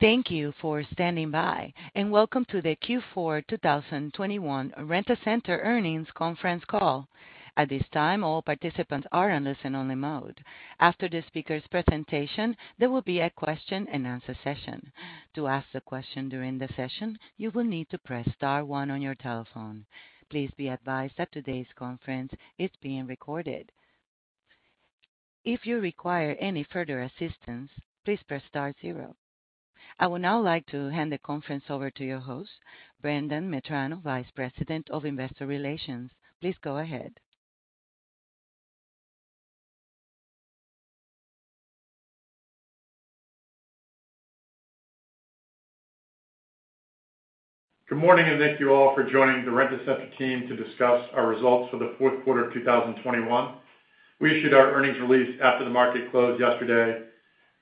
Thank you for standing by, and welcome to the Q4 2021 Rent-A-Center earnings conference call. At this time, all participants are on listen-only mode. After the speaker's presentation, there will be a question-and-answer session. To ask a question during the session, you will need to press star one on your telephone. Please be advised that today's conference is being recorded. If you require any further assistance, please press star zero. I would now like to hand the conference over to your host, Brendan Metrano, Vice President of Investor Relations. Please go ahead. Good morning, and thank you all for joining the Rent-A-Center team to discuss our results for the fourth quarter of 2021. We issued our earnings release after the market closed yesterday.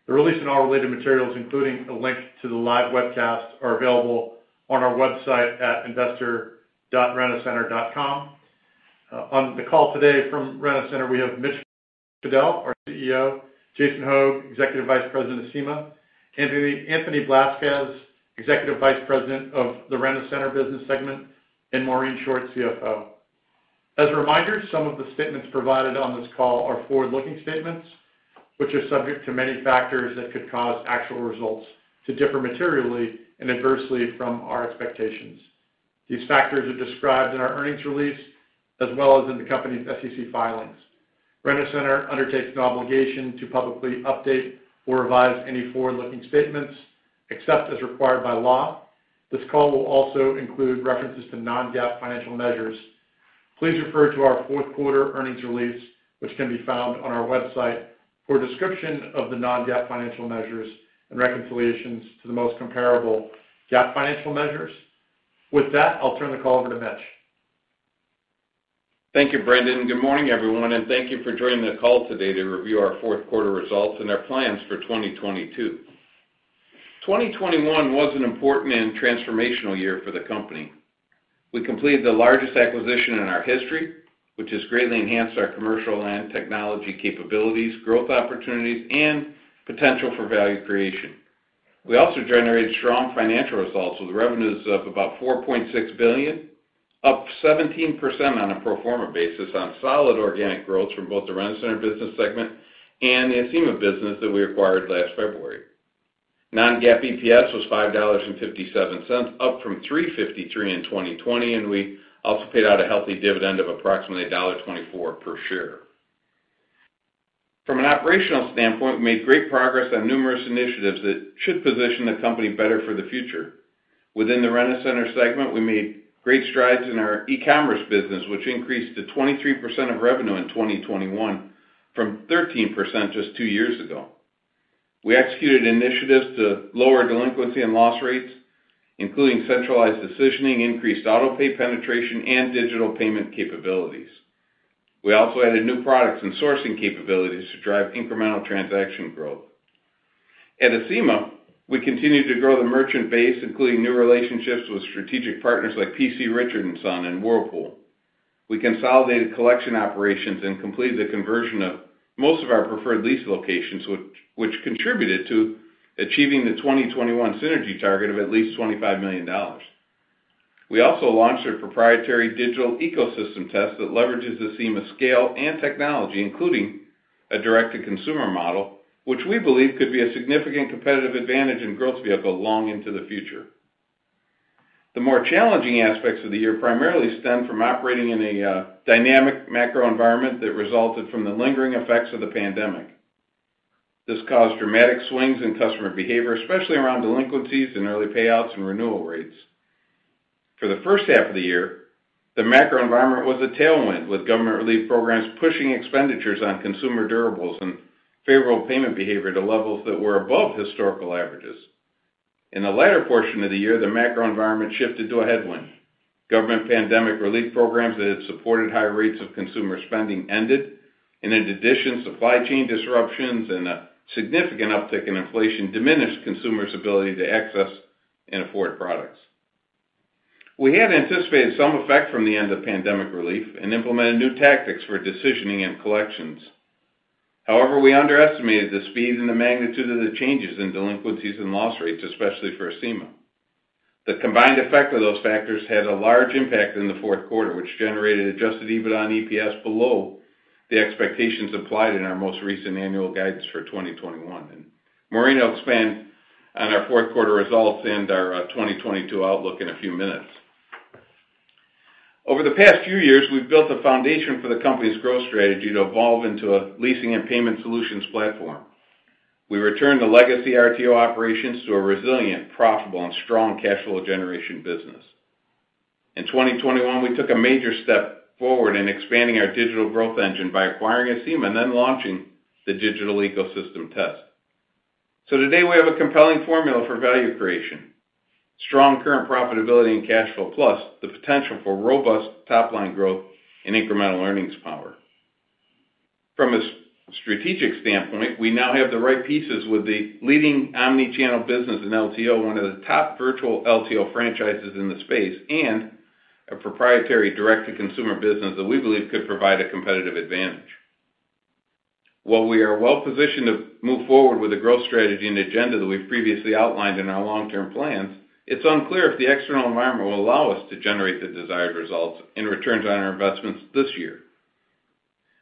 The release and all related materials, including a link to the live webcast, are available on our website at investor.rentacenter.com. On the call today from Rent-A-Center, we have Mitch Fadel, our CEO, Jason Hogg, Executive Vice President of Acima, Anthony Blazquez, Executive Vice President of the Rent-A-Center business segment, and Maureen Short, CFO. As a reminder, some of the statements provided on this call are forward-looking statements, which are subject to many factors that could cause actual results to differ materially and adversely from our expectations. These factors are described in our earnings release as well as in the company's SEC filings. Rent-A-Center undertakes no obligation to publicly update or revise any forward-looking statements except as required by law. This call will also include references to non-GAAP financial measures. Please refer to our fourth quarter earnings release, which can be found on our website, for a description of the non-GAAP financial measures and reconciliations to the most comparable GAAP financial measures. With that, I'll turn the call over to Mitch. Thank you, Brendan. Good morning, everyone, and thank you for joining the call today to review our fourth quarter results and our plans for 2022. 2021 was an important and transformational year for the company. We completed the largest acquisition in our history, which has greatly enhanced our commercial and technology capabilities, growth opportunities, and potential for value creation. We also generated strong financial results, with revenues of about $4.6 billion, up 17% on a pro forma basis on solid organic growth from both the Rent-A-Center business segment and the Acima business that we acquired last February. Non-GAAP EPS was $5.57, up from $3.53 in 2020, and we also paid out a healthy dividend of approximately $1.24 per share. From an operational standpoint, we made great progress on numerous initiatives that should position the company better for the future. Within the Rent-A-Center segment, we made great strides in our e-commerce business, which increased to 23% of revenue in 2021 from 13% just two years ago. We executed initiatives to lower delinquency and loss rates, including centralized decisioning, increased auto pay penetration, and digital payment capabilities. We also added new products and sourcing capabilities to drive incremental transaction growth. At Acima, we continued to grow the merchant base, including new relationships with strategic partners like P.C. Richard & Son and Whirlpool. We consolidated collection operations and completed the conversion of most of our Preferred Lease locations which contributed to achieving the 2021 synergy target of at least $25 million. We also launched a proprietary digital ecosystem test that leverages Acima's scale and technology, including a direct-to-consumer model, which we believe could be a significant competitive advantage and growth vehicle long into the future. The more challenging aspects of the year primarily stem from operating in a dynamic macro environment that resulted from the lingering effects of the pandemic. This caused dramatic swings in customer behavior, especially around delinquencies and early payouts and renewal rates. For the first half of the year, the macro environment was a tailwind, with government relief programs pushing expenditures on consumer durables and favorable payment behavior to levels that were above historical averages. In the latter portion of the year, the macro environment shifted to a headwind. Government pandemic relief programs that had supported high rates of consumer spending ended. In addition, supply chain disruptions and a significant uptick in inflation diminished consumers' ability to access and afford products. We had anticipated some effect from the end of pandemic relief and implemented new tactics for decisioning and collections. However, we underestimated the speed and the magnitude of the changes in delinquencies and loss rates, especially for Acima. The combined effect of those factors had a large impact in the fourth quarter, which generated adjusted EBITDA and EPS below the expectations applied in our most recent annual guidance for 2021. Maureen will expand on our fourth quarter results and our 2022 outlook in a few minutes. Over the past few years, we've built the foundation for the company's growth strategy to evolve into a leasing and payment solutions platform. We returned the legacy RTO operations to a resilient, profitable, and strong cash flow generation business. In 2021, we took a major step forward in expanding our digital growth engine by acquiring Acima and then launching the digital ecosystem test. Today we have a compelling formula for value creation, strong current profitability and cash flow, plus the potential for robust top-line growth and incremental earnings power. From a strategic standpoint, we now have the right pieces with the leading omni-channel business in LTO, one of the top virtual LTO franchises in the space, and a proprietary direct-to-consumer business that we believe could provide a competitive advantage. While we are well positioned to move forward with the growth strategy and agenda that we've previously outlined in our long-term plans, it's unclear if the external environment will allow us to generate the desired results in returns on our investments this year.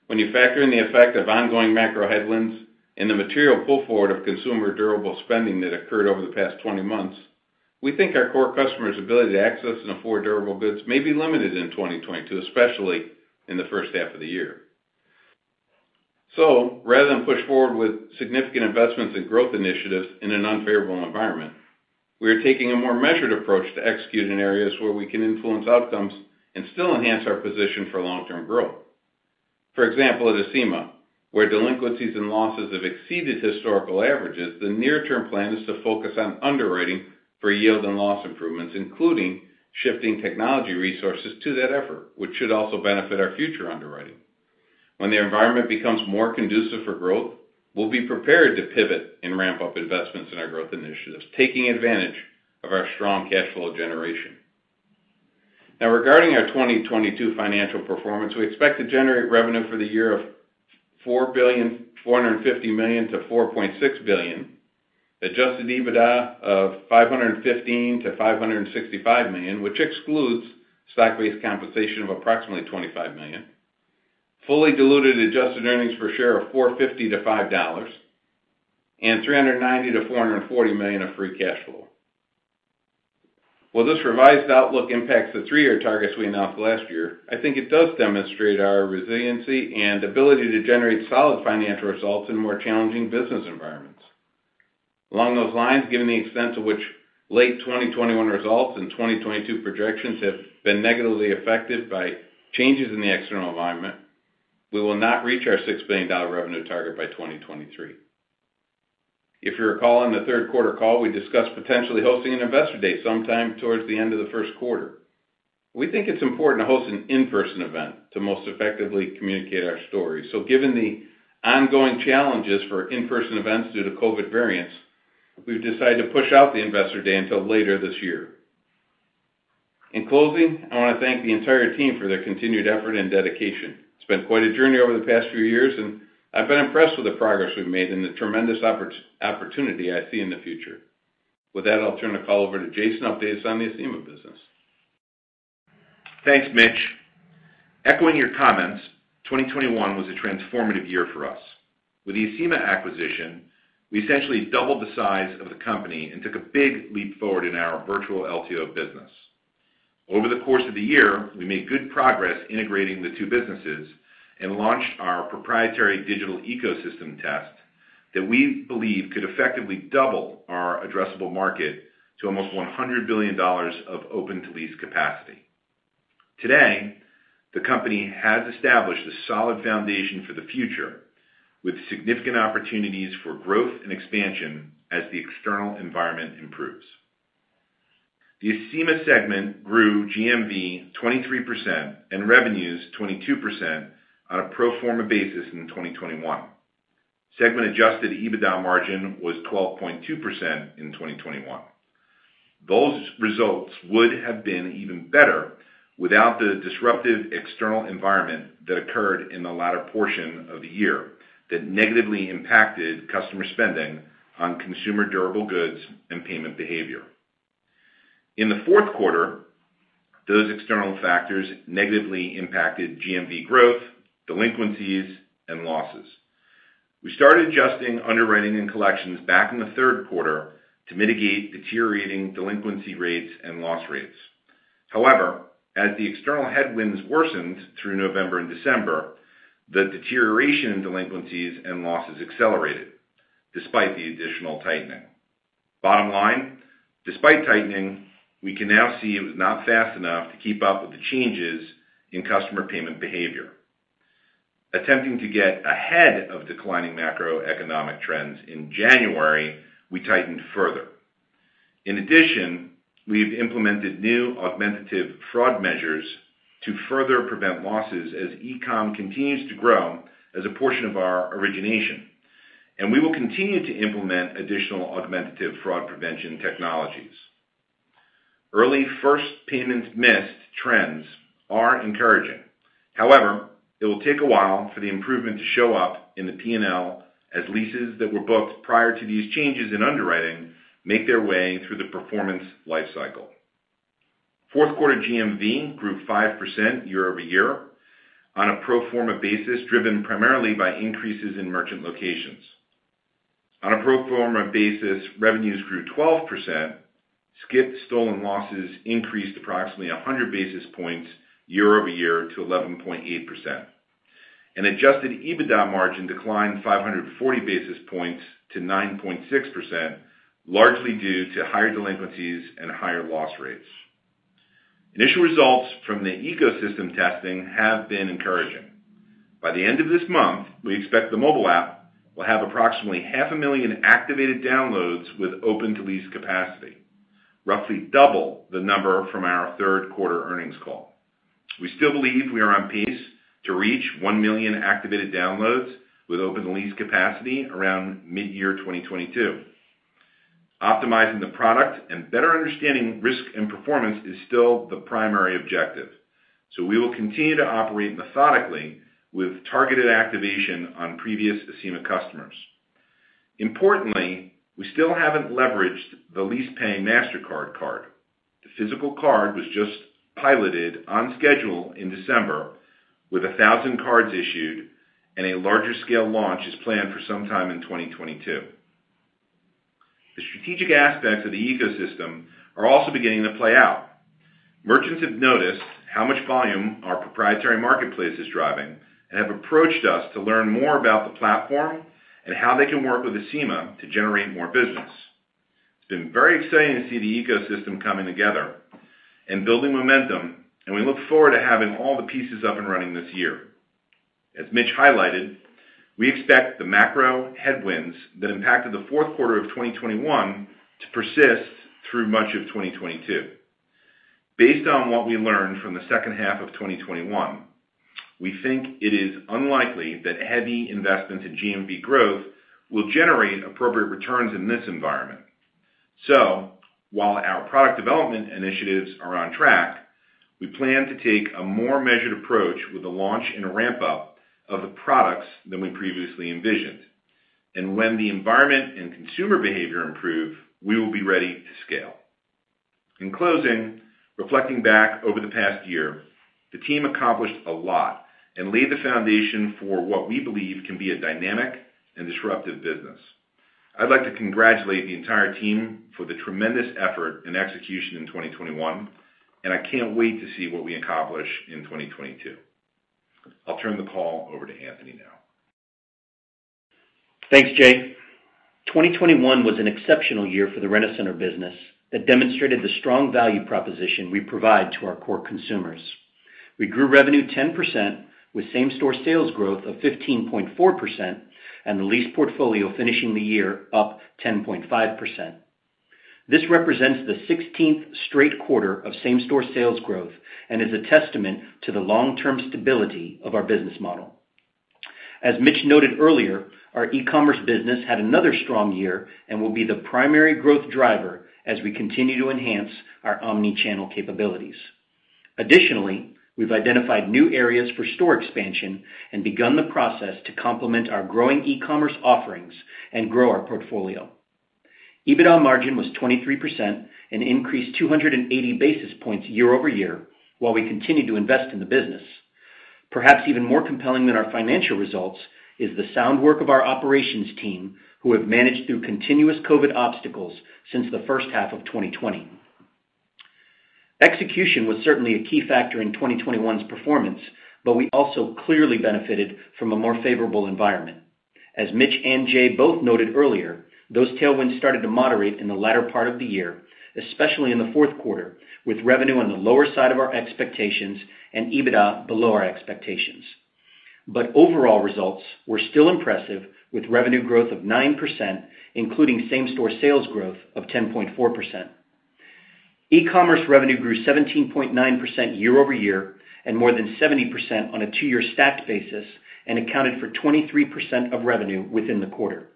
When you factor in the effect of ongoing macro headwinds and the material pull forward of consumer durable spending that occurred over the past 20 months, we think our core customers' ability to access and afford durable goods may be limited in 2022, especially in the first half of the year. Rather than push forward with significant investments and growth initiatives in an unfavorable environment, we are taking a more measured approach to execute in areas where we can influence outcomes and still enhance our position for long-term growth. For example, at Acima, where delinquencies and losses have exceeded historical averages, the near-term plan is to focus on underwriting for yield and loss improvements, including shifting technology resources to that effort, which should also benefit our future underwriting. When the environment becomes more conducive for growth, we'll be prepared to pivot and ramp up investments in our growth initiatives, taking advantage of our strong cash flow generation. Now regarding our 2022 financial performance, we expect to generate revenue for the year of $4.45 billion-$4.6 billion, adjusted EBITDA of $515 million-$565 million, which excludes stock-based compensation of approximately $25 million, fully diluted adjusted earnings per share of $4.50-$5.00, and $390 million-$440 million of free cash flow. While this revised outlook impacts the three-year targets we announced last year, I think it does demonstrate our resiliency and ability to generate solid financial results in more challenging business environments. Along those lines, given the extent to which late 2021 results and 2022 projections have been negatively affected by changes in the external environment, we will not reach our $6 billion revenue target by 2023. If you recall, on the third quarter call, we discussed potentially hosting an investor day sometime towards the end of the first quarter. We think it's important to host an in-person event to most effectively communicate our story. Given the ongoing challenges for in-person events due to COVID variants, we've decided to push out the investor day until later this year. In closing, I want to thank the entire team for their continued effort and dedication. It's been quite a journey over the past few years, and I've been impressed with the progress we've made and the tremendous opportunity I see in the future. With that, I'll turn the call over to Jason to update us on the Acima business. Thanks, Mitch. Echoing your comments, 2021 was a transformative year for us. With the Acima acquisition, we essentially doubled the size of the company and took a big leap forward in our virtual LTO business. Over the course of the year, we made good progress integrating the two businesses and launched our proprietary digital ecosystem test that we believe could effectively double our addressable market to almost $100 billion of open-to-lease capacity. Today, the company has established a solid foundation for the future with significant opportunities for growth and expansion as the external environment improves. The Acima segment grew GMV 23% and revenues 22% on a pro forma basis in 2021. Segment adjusted EBITDA margin was 12.2% in 2021. Those results would have been even better without the disruptive external environment that occurred in the latter portion of the year that negatively impacted customer spending on consumer durable goods and payment behavior. In the fourth quarter, those external factors negatively impacted GMV growth, delinquencies, and losses. We started adjusting underwriting and collections back in the third quarter to mitigate deteriorating delinquency rates and loss rates. However, as the external headwinds worsened through November and December, the deterioration in delinquencies and losses accelerated despite the additional tightening. Bottom line, despite tightening, we can now see it was not fast enough to keep up with the changes in customer payment behavior. Attempting to get ahead of declining macroeconomic trends in January, we tightened further. In addition, we've implemented new augmentative fraud measures to further prevent losses as e-com continues to grow as a portion of our origination. We will continue to implement additional augmentative fraud prevention technologies. Early first payments missed trends are encouraging. However, it will take a while for the improvement to show up in the P&L as leases that were booked prior to these changes in underwriting make their way through the performance life cycle. Fourth quarter GMV grew 5% year-over-year on a pro forma basis, driven primarily by increases in merchant locations. On a pro forma basis, revenues grew 12%. Skip/stolen losses increased approximately 100 basis points year-over-year to 11.8%. Adjusted EBITDA margin declined 540 basis points to 9.6%, largely due to higher delinquencies and higher loss rates. Initial results from the ecosystem testing have been encouraging. By the end of this month, we expect the mobile app will have approximately 500,000 activated downloads with open-to-lease capacity, roughly double the number from our third quarter earnings call. We still believe we are on pace to reach 1 million activated downloads with open-to-lease capacity around midyear 2022. Optimizing the product and better understanding risk and performance is still the primary objective. We will continue to operate methodically with targeted activation on previous Acima customers. Importantly, we still haven't leveraged the Acima LeasePay Mastercard card. The physical card was just piloted on schedule in December with 1,000 cards issued, and a larger scale launch is planned for sometime in 2022. The strategic aspects of the ecosystem are also beginning to play out. Merchants have noticed how much volume our proprietary marketplace is driving and have approached us to learn more about the platform and how they can work with Acima to generate more business. It's been very exciting to see the ecosystem coming together and building momentum, and we look forward to having all the pieces up and running this year. As Mitch highlighted, we expect the macro headwinds that impacted the fourth quarter of 2021 to persist through much of 2022. Based on what we learned from the second half of 2021, we think it is unlikely that heavy investment in GMV growth will generate appropriate returns in this environment. While our product development initiatives are on track, we plan to take a more measured approach with the launch and a ramp-up of the products than we previously envisioned. When the environment and consumer behavior improve, we will be ready to scale. In closing, reflecting back over the past year, the team accomplished a lot and laid the foundation for what we believe can be a dynamic and disruptive business. I'd like to congratulate the entire team for the tremendous effort and execution in 2021, and I can't wait to see what we accomplish in 2022. I'll turn the call over to Anthony now. Thanks, Jay. 2021 was an exceptional year for the Rent-A-Center business that demonstrated the strong value proposition we provide to our core consumers. We grew revenue 10% with same-store sales growth of 15.4% and the lease portfolio finishing the year up 10.5%. This represents the sixteenth straight quarter of same-store sales growth and is a testament to the long-term stability of our business model. As Mitch noted earlier, our e-commerce business had another strong year and will be the primary growth driver as we continue to enhance our omni-channel capabilities. Additionally, we've identified new areas for store expansion and begun the process to complement our growing e-commerce offerings and grow our portfolio. EBITDA margin was 23% and increased 280 basis points YoY, while we continued to invest in the business. Perhaps even more compelling than our financial results is the sound work of our operations team, who have managed through continuous COVID obstacles since the first half of 2020. Execution was certainly a key factor in 2021's performance, but we also clearly benefited from a more favorable environment. As Mitch and Jay both noted earlier, those tailwinds started to moderate in the latter part of the year, especially in the fourth quarter, with revenue on the lower side of our expectations and EBITDA below our expectations. Overall results were still impressive with revenue growth of 9%, including same-store sales growth of 10.4%. E-commerce revenue grew 17.9% year-over-year and more than 70% on a two-year stacked basis and accounted for 23% of revenue within the quarter.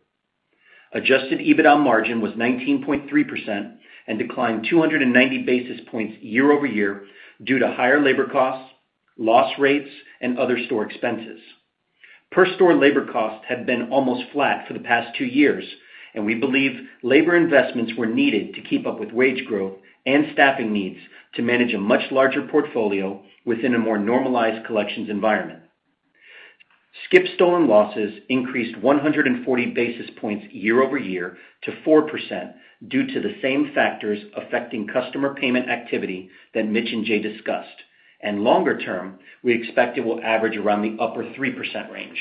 Adjusted EBITDA margin was 19.3% and declined 290 basis points YoY due to higher labor costs, loss rates, and other store expenses. Per store labor costs have been almost flat for the past two years, and we believe labor investments were needed to keep up with wage growth and staffing needs to manage a much larger portfolio within a more normalized collections environment. Skip/stolen losses increased 140 basis points YoY to 4% due to the same factors affecting customer payment activity that Mitch and Jay discussed. Longer term, we expect it will average around the upper 3% range.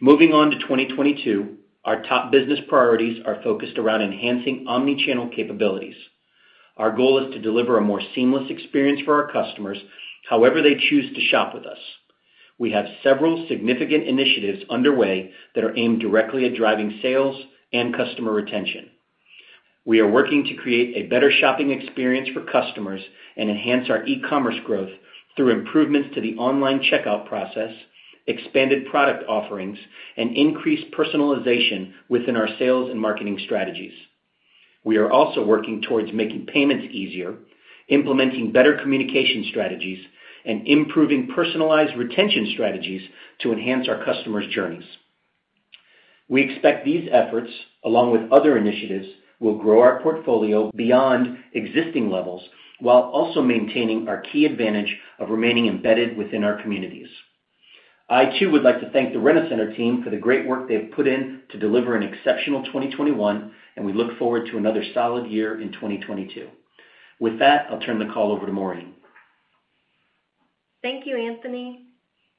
Moving on to 2022, our top business priorities are focused around enhancing omni-channel capabilities. Our goal is to deliver a more seamless experience for our customers, however they choose to shop with us. We have several significant initiatives underway that are aimed directly at driving sales and customer retention. We are working to create a better shopping experience for customers and enhance our e-commerce growth through improvements to the online checkout process, expanded product offerings, and increased personalization within our sales and marketing strategies. We are also working towards making payments easier, implementing better communication strategies, and improving personalized retention strategies to enhance our customers' journeys. We expect these efforts, along with other initiatives, will grow our portfolio beyond existing levels while also maintaining our key advantage of remaining embedded within our communities. I too would like to thank the Rent-A-Center team for the great work they've put in to deliver an exceptional 2021, and we look forward to another solid year in 2022. With that, I'll turn the call over to Maureen. Thank you, Anthony.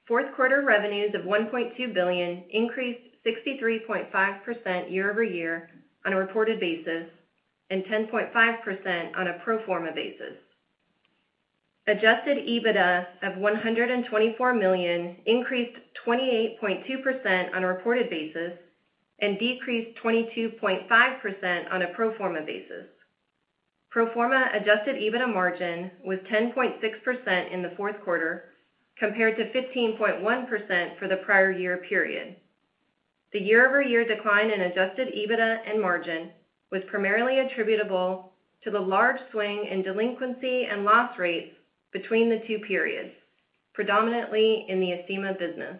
Fourth quarter revenues of $1.2 billion increased 63.5% YoYon a reported basis, and 10.5% on a pro forma basis. Adjusted EBITDA of $124 million increased 28.2% on a reported basis and decreased 22.5% on a pro forma basis. Pro forma adjusted EBITDA margin was 10.6% in the fourth quarter compared to 15.1% for the prior year period. The YoY decline in adjusted EBITDA and margin was primarily attributable to the large swing in delinquency and loss rates between the two periods, predominantly in the Acima business.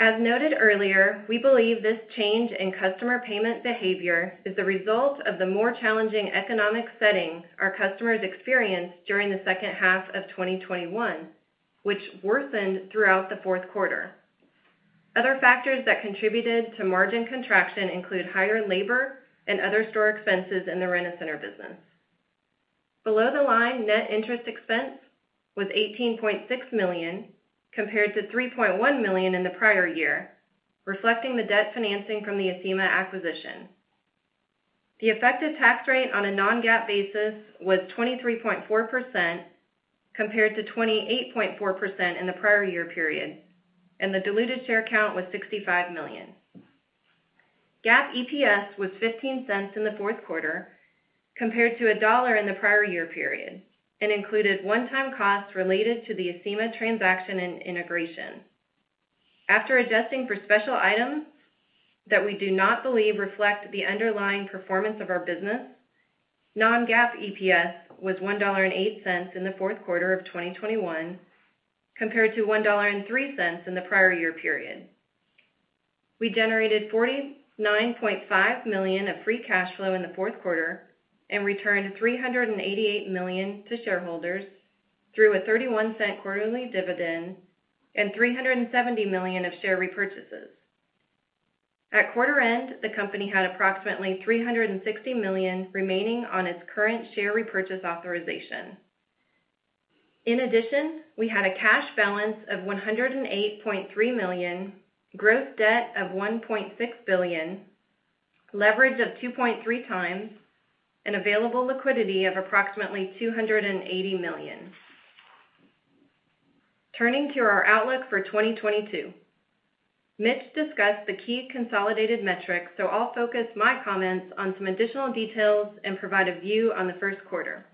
As noted earlier, we believe this change in customer payment behavior is the result of the more challenging economic setting our customers experienced during the second half of 2021, which worsened throughout the fourth quarter. Other factors that contributed to margin contraction include higher labor and other store expenses in the Rent-A-Center business. Below the line net interest expense was $18.6 million, compared to $3.1 million in the prior year, reflecting the debt financing from the Acima acquisition. The effective tax rate on a non-GAAP basis was 23.4% compared to 28.4% in the prior year period, and the diluted share count was 65 million. GAAP EPS was $0.15 in the fourth quarter compared to $1 in the prior year period and included one-time costs related to the Acima transaction and integration. After adjusting for special items that we do not believe reflect the underlying performance of our business, non-GAAP EPS was $1.08 in the fourth quarter of 2021 compared to $1.03 in the prior year period. We generated $49.5 million of free cash flow in the fourth quarter and returned $388 million to shareholders through a 31-cent quarterly dividend and $370 million of share repurchases. At quarter end, the company had approximately $360 million remaining on its current share repurchase authorization. In addition, we had a cash balance of $108.3 million, gross debt of $1.6 billion, leverage of 2.3x, and available liquidity of approximately $280 million. Turning to our outlook for 2022. Mitch discussed the key consolidated metrics, so I'll focus my comments on some additional details and provide a view on the first quarter.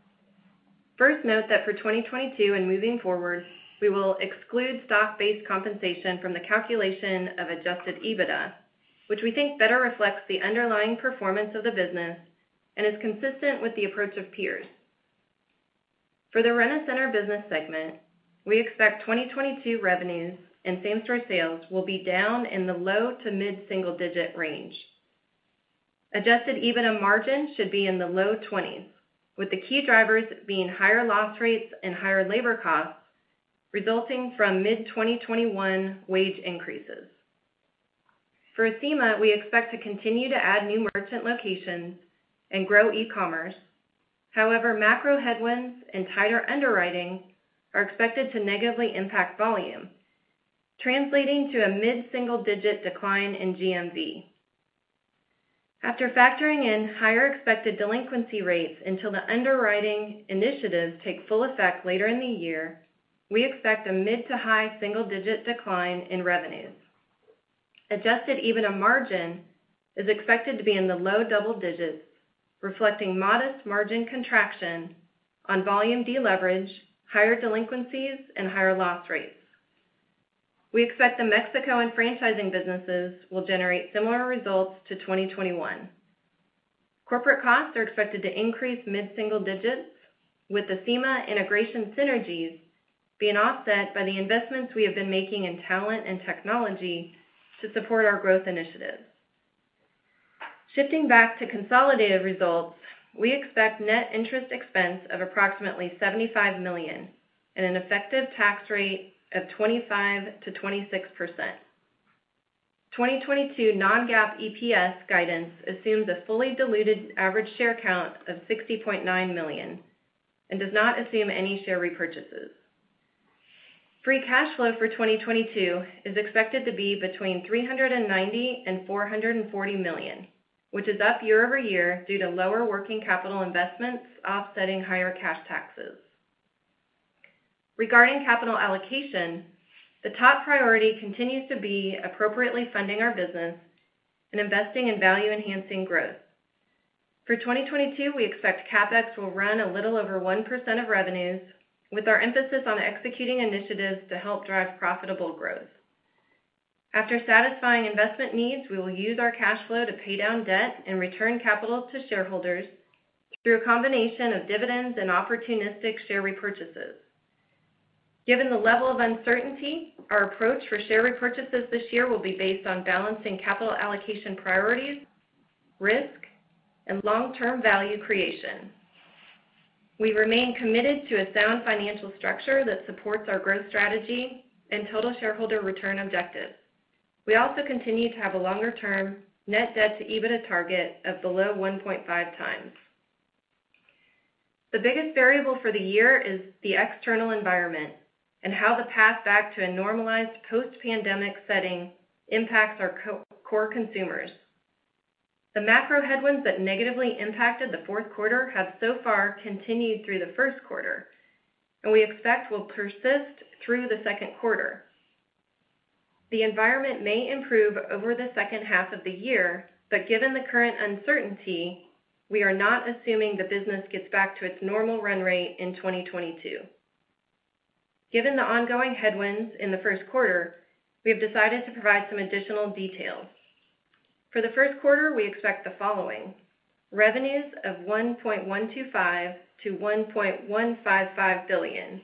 First, note that for 2022 and moving forward, we will exclude stock-based compensation from the calculation of adjusted EBITDA, which we think better reflects the underlying performance of the business and is consistent with the approach of peers. For the Rent-A-Center business segment, we expect 2022 revenues and same-store sales will be down in the low- to mid-single-digit range. Adjusted EBITDA margin should be in the low 20s%, with the key drivers being higher loss rates and higher labor costs resulting from mid-2021 wage increases. For Acima, we expect to continue to add new merchant locations and grow e-commerce. However, macro headwinds and tighter underwriting are expected to negatively impact volume, translating to a mid-single-digit% decline in GMV. After factoring in higher expected delinquency rates until the underwriting initiatives take full effect later in the year, we expect a mid- to high single-digit% decline in revenues. Adjusted EBITDA margin is expected to be in the low double digits, reflecting modest margin contraction on volume deleverage, higher delinquencies, and higher loss rates. We expect the Mexico and franchising businesses will generate similar results to 2021. Corporate costs are expected to increase mid-single digits, with Acima integration synergies being offset by the investments we have been making in talent and technology to support our growth initiatives. Shifting back to consolidated results, we expect net interest expense of approximately $75 million and an effective tax rate of 25%-26%. 2022 non-GAAP EPS guidance assumes a fully diluted average share count of 60.9 million and does not assume any share repurchases. Free cash flow for 2022 is expected to be between $390 million and $440 million, which is up year-over-year due to lower working capital investments offsetting higher cash taxes. Regarding capital allocation, the top priority continues to be appropriately funding our business and investing in value-enhancing growth. For 2022, we expect CapEx will run a little over 1% of revenues, with our emphasis on executing initiatives to help drive profitable growth. After satisfying investment needs, we will use our cash flow to pay down debt and return capital to shareholders through a combination of dividends and opportunistic share repurchases. Given the level of uncertainty, our approach for share repurchases this year will be based on balancing capital allocation priorities, risk, and long-term value creation. We remain committed to a sound financial structure that supports our growth strategy and total shareholder return objectives. We also continue to have a longer-term net debt to EBITDA target of below 1.5 times. The biggest variable for the year is the external environment and how the path back to a normalized post-pandemic setting impacts our core consumers. The macro headwinds that negatively impacted the fourth quarter have so far continued through the first quarter and we expect will persist through the second quarter. The environment may improve over the second half of the year, but given the current uncertainty, we are not assuming the business gets back to its normal run rate in 2022. Given the ongoing headwinds in the first quarter, we have decided to provide some additional details. For the first quarter, we expect the following: revenues of $1.125 billion-$1.155 billion.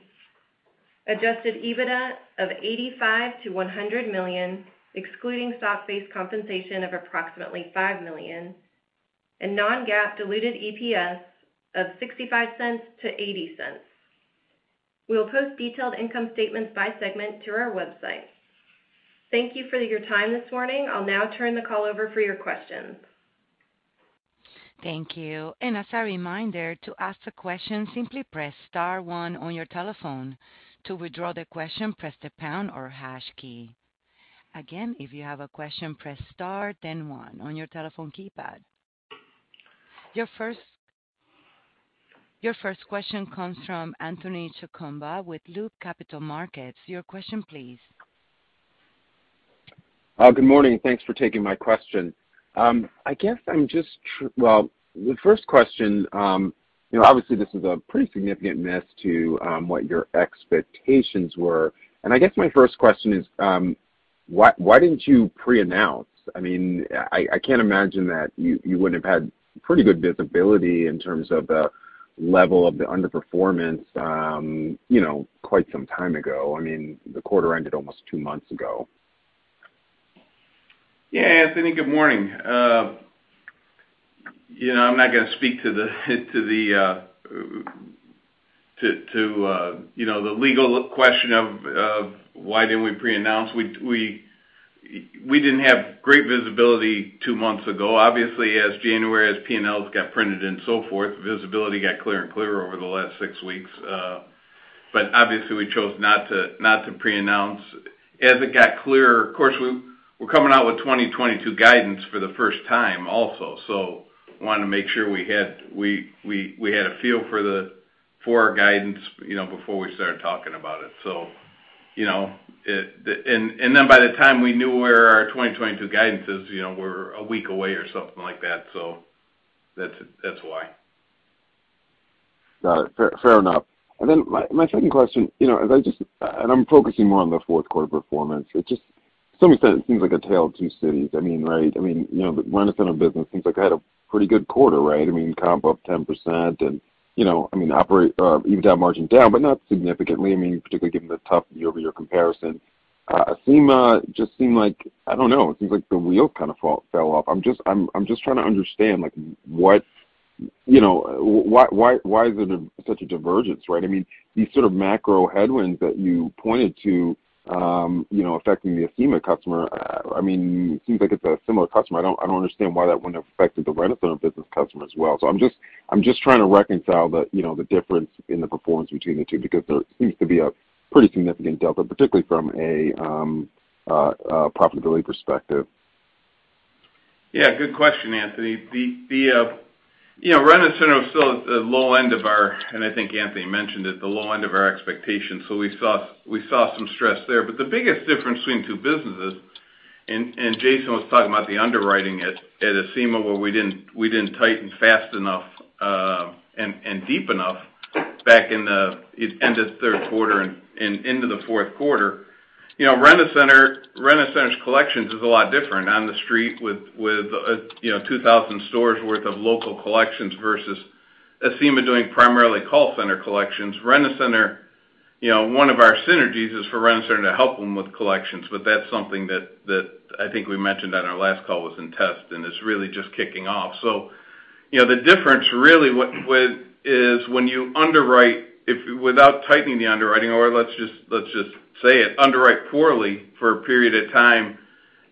Adjusted EBITDA of $85 million-$100 million, excluding stock-based compensation of approximately $5 million. Non-GAAP diluted EPS of $0.65-$0.80. We will post detailed income statements by segment to our website. Thank you for your time this morning. I'll now turn the call over for your questions. Thank you. As a reminder, to ask a question, simply press star one on your telephone. To withdraw the question, press the pound or hash key. Again, if you have a question, press star, then one on your telephone keypad. Your first question comes from Anthony Chukumba with Loop Capital Markets. Your question, please. Good morning. Thanks for taking my question. Well, the first question, you know, obviously this is a pretty significant miss to what your expectations were. I guess my first question is, why didn't you pre-announce? I mean, I can't imagine that you wouldn't have had pretty good visibility in terms of the level of the underperformance, you know, quite some time ago. I mean, the quarter ended almost two months ago. Yeah, Anthony, good morning. You know, I'm not gonna speak to the legal question of why didn't we pre-announce. We didn't have great visibility two months ago. Obviously, as January P&Ls got printed and so forth, visibility got clearer and clearer over the last six weeks, but obviously we chose not to pre-announce. As it got clearer, of course, we're coming out with 2022 guidance for the first time also. Wanted to make sure we had a feel for our guidance, you know, before we started talking about it. You know, and then by the time we knew where our 2022 guidance is, you know, we're a week away or something like that. That's why. Got it. Fair enough. My second question, you know, I'm focusing more on the fourth quarter performance. To some extent it seems like a tale of two cities. I mean, right? I mean, you know, the Rent-A-Center business seems like it had a pretty good quarter, right? I mean, comp up 10% and, you know, I mean, EBITDA margin down, but not significantly, I mean, particularly given the tough year-over-year comparison. Acima just seemed like, I don't know, it seems like the wheel kind of fell off. I'm just trying to understand like what, you know, why is it such a divergence, right? I mean, these sorts of macro headwinds that you pointed to, you know, affecting the Acima customer, I mean, seems like it's a similar customer. I don't understand why that wouldn't have affected the Rent-A-Center business customer as well. I'm just trying to reconcile the, you know, the difference in the performance between the two, because there seems to be a pretty significant delta, particularly from a profitability perspective. Yeah, good question, Anthony. You know, Rent-A-Center was still at the low end of our expectations, and I think Anthony mentioned it. We saw some stress there. The biggest difference between two businesses and Jason was talking about the underwriting at Acima, where we didn't tighten fast enough and deep enough back in the end of third quarter and into the fourth quarter. You know, Rent-A-Center's collections is a lot different on the street with you know, 2,000 stores worth of local collections versus Acima doing primarily call center collections. Rent-A-Center, you know, one of our synergies is for Rent-A-Center to help them with collections, but that's something that I think we mentioned on our last call was in test, and it's really just kicking off. You know, the difference really is when you underwrite without tightening the underwriting, or let's just say it, underwrite poorly for a period of time,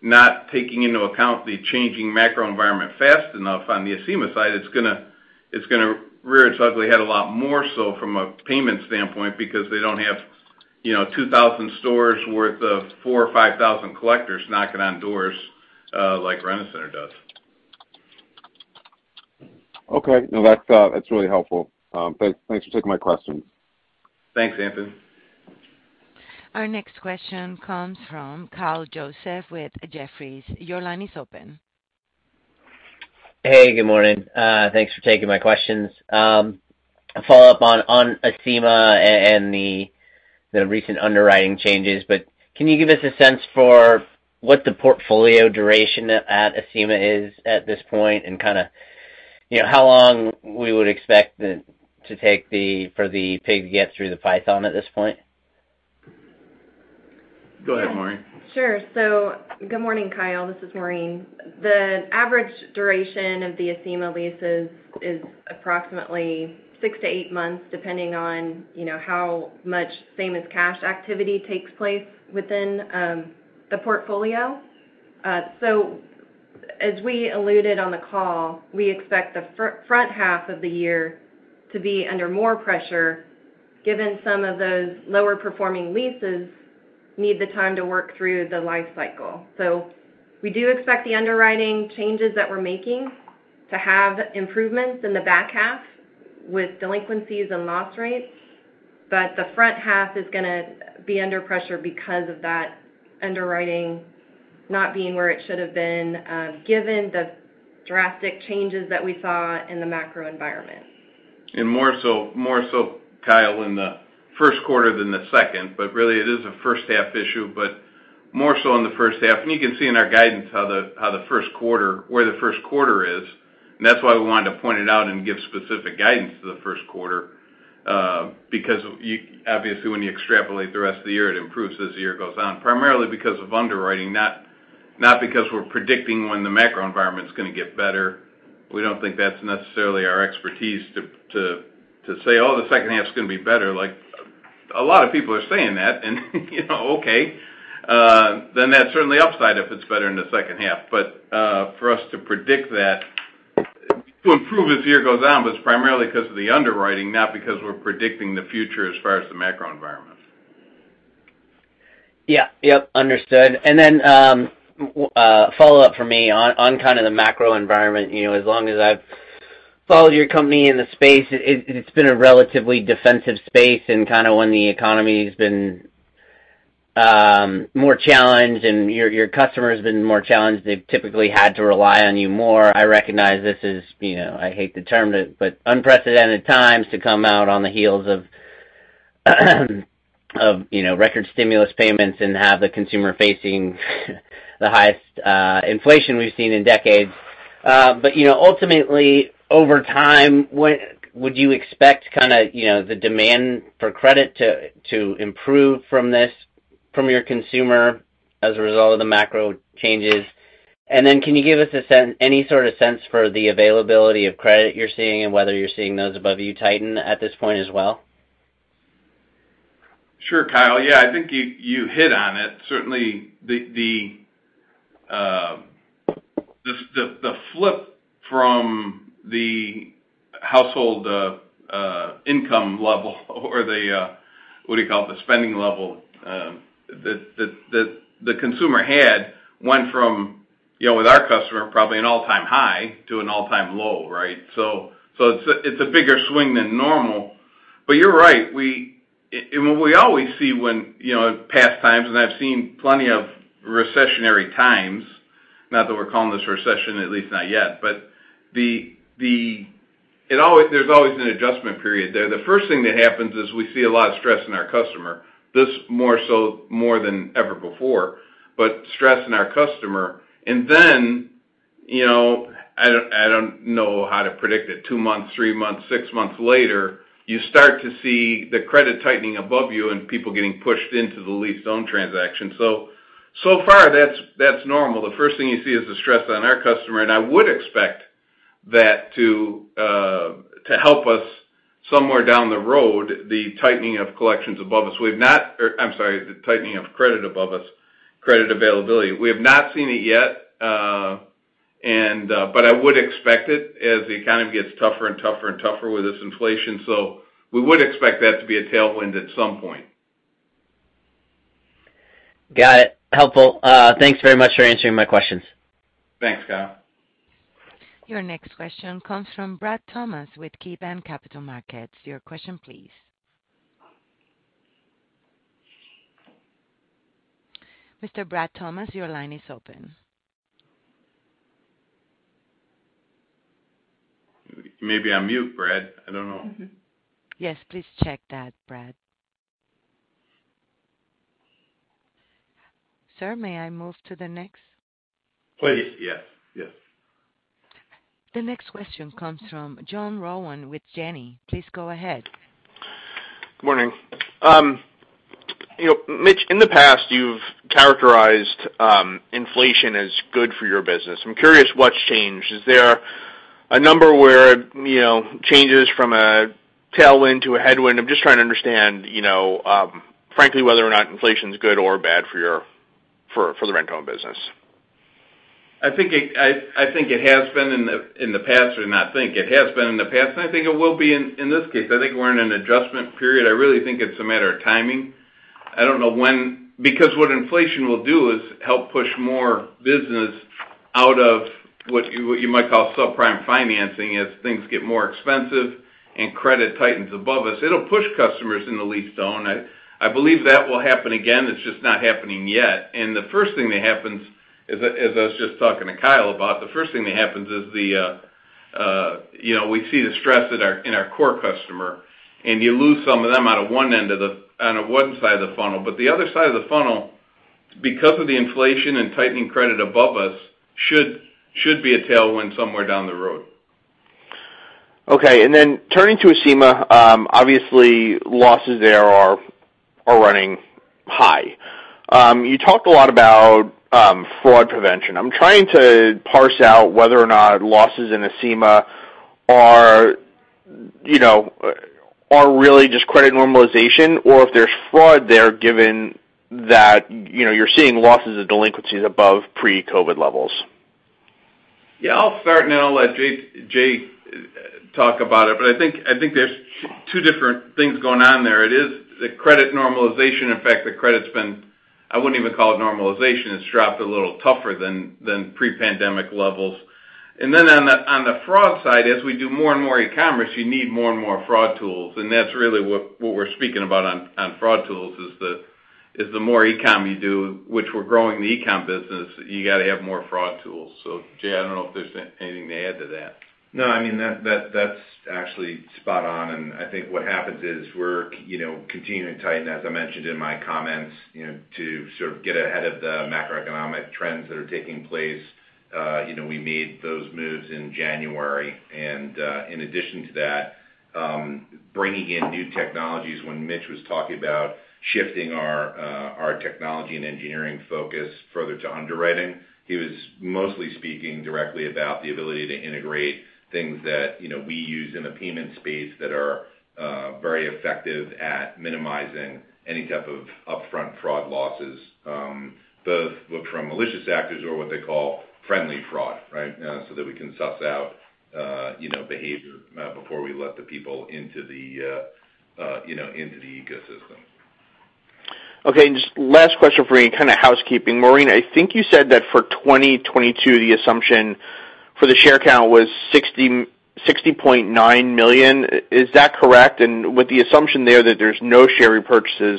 not taking into account the changing macro environment fast enough on the Acima side, it's gonna rear its ugly head a lot more so from a payment standpoint because they don't have, you know, 2,000 stores worth of 4,000 or 5,000 collectors knocking on doors like Rent-A-Center does. Okay. No, that's really helpful. Thanks for taking my questions. Thanks, Anthony. Our next question comes from Kyle Joseph with Jefferies. Your line is open. Hey, good morning. Thanks for taking my questions. A follow-up on Acima and the recent underwriting changes. Can you give us a sense for what the portfolio duration at Acima is at this point, and you know, how long we would expect for the pig to get through the python at this point? Go ahead, Maureen. Good morning, Kyle. This is Maureen. The average duration of the Acima leases is approximately six to eight months, depending on, you know, how much same as cash activity takes place within the portfolio. As we alluded on the call, we expect the front half of the year to be under more pressure given some of those lower performing leases need the time to work through the life cycle. We do expect the underwriting changes that we're making to have improvements in the back half with delinquencies and loss rates. The front half is gonna be under pressure because of that underwriting not being where it should have been given the drastic changes that we saw in the macro environment. More so, Kyle, in the first quarter than the second, but really it is a first-half issue, but more so in the first half. You can see in our guidance how the first quarter, where the first quarter is, and that's why we wanted to point it out and give specific guidance to the first quarter. Because obviously, when you extrapolate the rest of the year, it improves as the year goes on, primarily because of underwriting, not because we're predicting when the macro environment's gonna get better. We don't think that's necessarily our expertise to say, "Oh, the second half's gonna be better." Like, a lot of people are saying that and you know, okay. That's certainly upside if it's better in the second half. For us to predict that, it will improve as the year goes on, but it's primarily 'cause of the underwriting, not because we're predicting the future as far as the macro environment. Yeah. Yep, understood. Then, follow-up for me on kind of the macro environment. You know, as long as I've followed your company in the space, it's been a relatively defensive space. When the economy's been more challenged and your customer's been more challenged, they've typically had to rely on you more. I recognize this is, you know, I hate the term but unprecedented times to come out on the heels of you know, record stimulus payments and have the consumer facing the highest inflation we've seen in decades. But, you know, ultimately, over time, would you expect kinda, you know, the demand for credit to improve from your consumer as a result of the macro changes? Can you give us any sort of sense for the availability of credit you're seeing and whether you're seeing those above you tighten at this point as well? Sure, Kyle. Yeah, I think you hit on it. Certainly, the flip from the household income level or the what do you call it? The spending level that the consumer had went from, you know, with our customer, probably an all-time high to an all-time low, right? So it's a bigger swing than normal. But you're right, and what we always see when, you know, in past times, and I've seen plenty of recessionary times, not that we're calling this a recession, at least not yet, but it always. There's always an adjustment period there. The first thing that happens is we see a lot of stress in our customer, this more so than ever before. Stress in our customer, and then, you know, I don't know how to predict it, two-months, three-months, six-months later, you start to see the credit tightening above you and people getting pushed into the lease-to-own transaction. So far that's normal. The first thing you see is the stress on our customer, and I would expect that to help us somewhere down the road, the tightening of credit above us, credit availability. We have not seen it yet, and. I would expect it as the economy gets tougher and tougher and tougher with this inflation. We would expect that to be a tailwind at some point. Got it. Helpful. Thanks very much for answering my questions. Thanks, Kyle. Your next question comes from Brad Thomas with KeyBanc Capital Markets. Your question please. Mr. Brad Thomas, your line is open. You may be on mute, Brad. I don't know. Yes, please check that, Brad. Sir, may I move to the next- Please. Yes, yes. The next question comes from John Rowan with Janney. Please go ahead. Good morning. You know, Mitch, in the past, you've characterized inflation as good for your business. I'm curious what's changed. Is there a number where, you know, changes from a tailwind to a headwind? I'm just trying to understand, you know, frankly, whether or not inflation's good or bad for the rent-to-own business. I think it has been in the past, and I think it will be in this case. I think we're in an adjustment period. I really think it's a matter of timing. I don't know when. Because what inflation will do is help push more business out of what you might call subprime financing. As things get more expensive and credit tightens above us, it'll push customers into the lease-to-own. I believe that will happen again, it's just not happening yet. I was just talking to Kyle about the first thing that happens. You know, we see the stress in our core customer, and you lose some of them out of one side of the funnel. The other side of the funnel, because of the inflation and tightening credit above us, should be a tailwind somewhere down the road. Okay. Turning to Acima, obviously, losses there are running high. You talked a lot about fraud prevention. I'm trying to parse out whether or not losses in Acima are, you know, really just credit normalization or if there's fraud there, given that, you know, you're seeing losses or delinquencies above pre-COVID levels. Yeah. I'll start, and then I'll let Jay talk about it, but I think there's two different things going on there. It is the credit normalization. In fact, I wouldn't even call it normalization. It's a little tougher than pre-pandemic levels. On the fraud side, as we do more and more e-commerce, you need more and more fraud tools. That's really what we're speaking about on fraud tools, is the more e-com you do, which we're growing the e-com business, you gotta have more fraud tools. Jay, I don't know if there's anything to add to that. No, I mean, that's actually spot on. I think what happens is we're you know continuing to tighten, as I mentioned in my comments, you know, to sort of get ahead of the macroeconomic trends that are taking place. You know, we made those moves in January. In addition to that, bringing in new technologies, when Mitch was talking about shifting our technology and engineering focus further to underwriting, he was mostly speaking directly about the ability to integrate things that you know we use in the payment space that are very effective at minimizing any type of upfront fraud losses, both from malicious actors or what they call friendly fraud, right? So that we can suss out you know behavior before we let the people into you know the ecosystem. Okay. Just last question for you, kind of housekeeping. Maureen, I think you said that for 2022, the assumption for the share count was 60.9 million. Is that correct? With the assumption there that there's no share repurchases,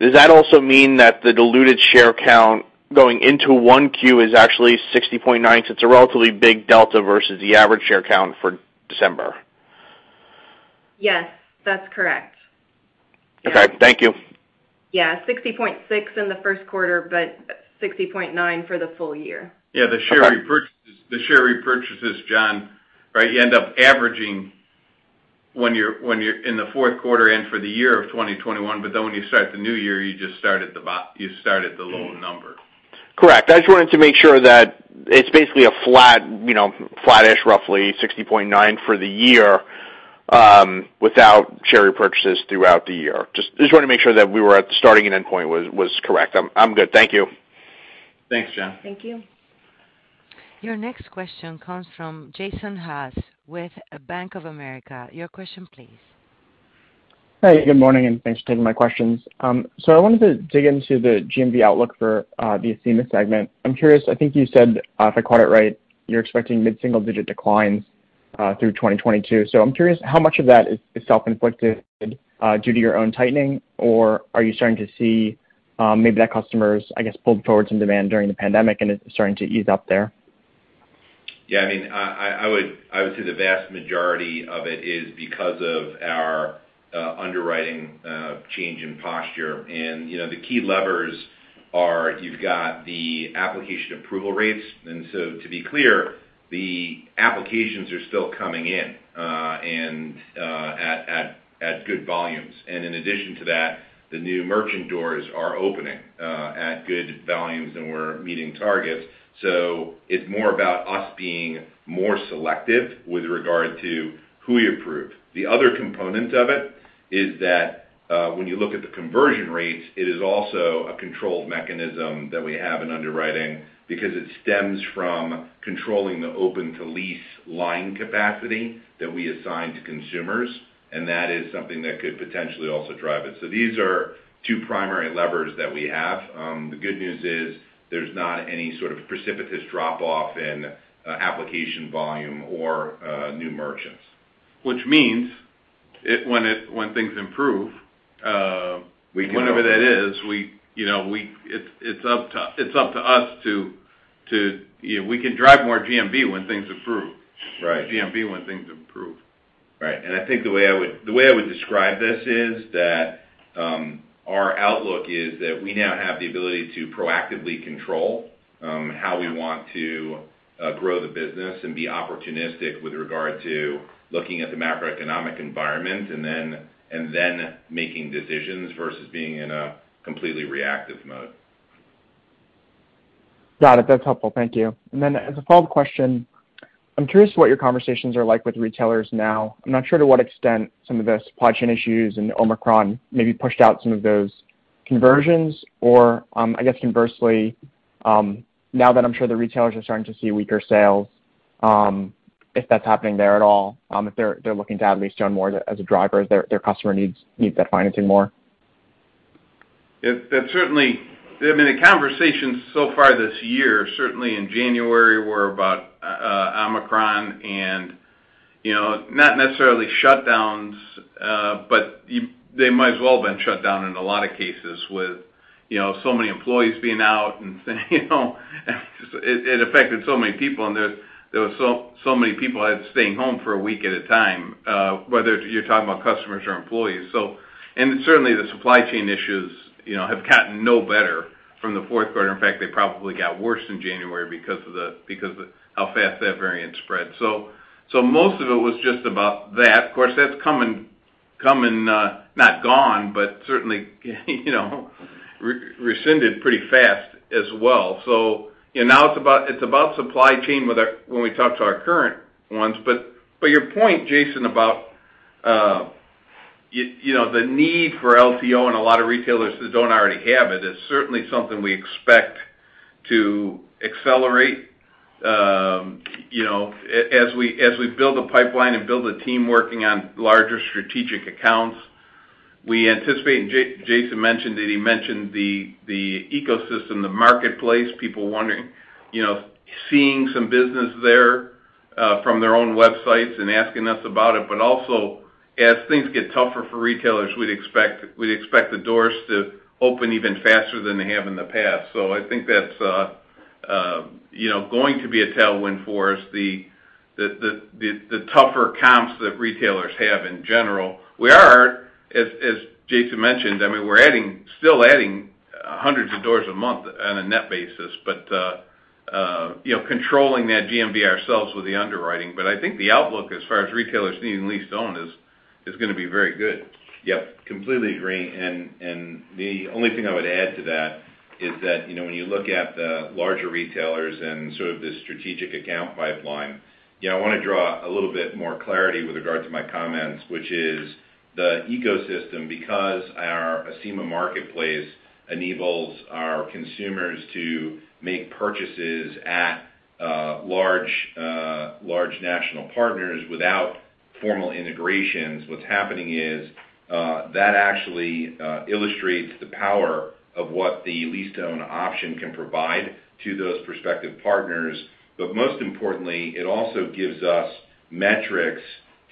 does that also mean that the diluted share count going into 1Q is actually 60.9? It's a relatively big delta versus the average share count for December. Yes, that's correct. Okay, thank you. Yeah. 60.6% in the first quarter, but 60.9% for the full year. Yeah, the share repurchases, John, right? You end up averaging when you're in the fourth quarter and for the year of 2021, but then when you start the new year, you just start at the low number. Correct. I just wanted to make sure that it's basically a flat, you know, flat-ish, roughly 60.9 for the year, without share repurchases throughout the year. Just wanted to make sure that we were at the starting and end point was correct. I'm good. Thank you. Thanks, John. Thank you. Your next question comes from Jason Haas with Bank of America. Your question, please. Hey, good morning, and thanks for taking my questions. I wanted to dig into the GMV outlook for the Acima segment. I'm curious, I think you said, if I caught it right, you're expecting mid-single digit declines through 2022. I'm curious how much of that is self-inflicted due to your own tightening or are you starting to see maybe that customers, I guess, pulled forward some demand during the pandemic and it's starting to ease up there? Yeah, I mean, I would say the vast majority of it is because of our underwriting change in posture. You know, the key levers are you've got the application approval rates. To be clear, the applications are still coming in and at good volumes. In addition to that, the new merchant doors are opening at good volumes, and we're meeting targets. It's more about us being more selective with regard to who we approve. The other component of it is that when you look at the conversion rates, it is also a controlled mechanism that we have in underwriting because it stems from controlling the open-to-lease line capacity that we assign to consumers, and that is something that could potentially also drive it. These are two primary levers that we have. The good news is there's not any sort of precipitous drop-off in application volume or new merchants. Which means when things improve. We can go. Whenever that is, you know, it's up to us to. You know, we can drive more GMV when things improve. Right. More GMV when things improve. Right. I think the way I would describe this is that our outlook is that we now have the ability to proactively control how we want to grow the business and be opportunistic with regard to looking at the macroeconomic environment and then making decisions versus being in a completely reactive mode. Got it. That's helpful. Thank you. As a follow-up question, I'm curious what your conversations are like with retailers now. I'm not sure to what extent some of the supply chain issues and Omicron maybe pushed out some of those conversions. I guess conversely, now that I'm sure the retailers are starting to see weaker sales, if that's happening there at all, if they're looking to add lease-to-own more as a driver as their customer needs that financing more. It certainly. I mean, the conversations so far this year, certainly in January, were about Omicron and, you know, not necessarily shutdowns, but they might as well have been shut down in a lot of cases with, you know, so many employees being out and, you know, just it affected so many people, and there were so many people had to stay home for a week at a time, whether you're talking about customers or employees. Certainly the supply chain issues, you know, have gotten no better from the fourth quarter. In fact, they probably got worse in January because of how fast that variant spread. Most of it was just about that. Of course, that's come and not gone, but certainly, you know, receded pretty fast as well. You know, now it's about supply chain with our current ones when we talk to our current ones. Your point, Jason, about you know, the need for LTO and a lot of retailers that don't already have it is certainly something we expect to accelerate. You know, as we build a pipeline and build a team working on larger strategic accounts, we anticipate, and Jason mentioned it. He mentioned the ecosystem, the marketplace, people wondering, you know, seeing some business there from their own websites and asking us about it. Also, as things get tougher for retailers, we'd expect the doors to open even faster than they have in the past. I think that's you know, going to be a tailwind for us, the tougher comps that retailers have in general. We are, as Jason mentioned, I mean, we're still adding hundreds of doors a month on a net basis, you know, controlling that GMV ourselves with the underwriting. I think the outlook as far as retailers needing lease to own is gonna be very good. Yep, completely agree. The only thing I would add to that is that, you know, when you look at the larger retailers and sort of the strategic account pipeline, you know, I wanna draw a little bit more clarity with regard to my comments, which is the ecosystem, because our Acima Marketplace enables our consumers to make purchases at large national partners without formal integrations. What's happening is that actually illustrates the power of what the lease-to-own option can provide to those prospective partners. But most importantly, it also gives us metrics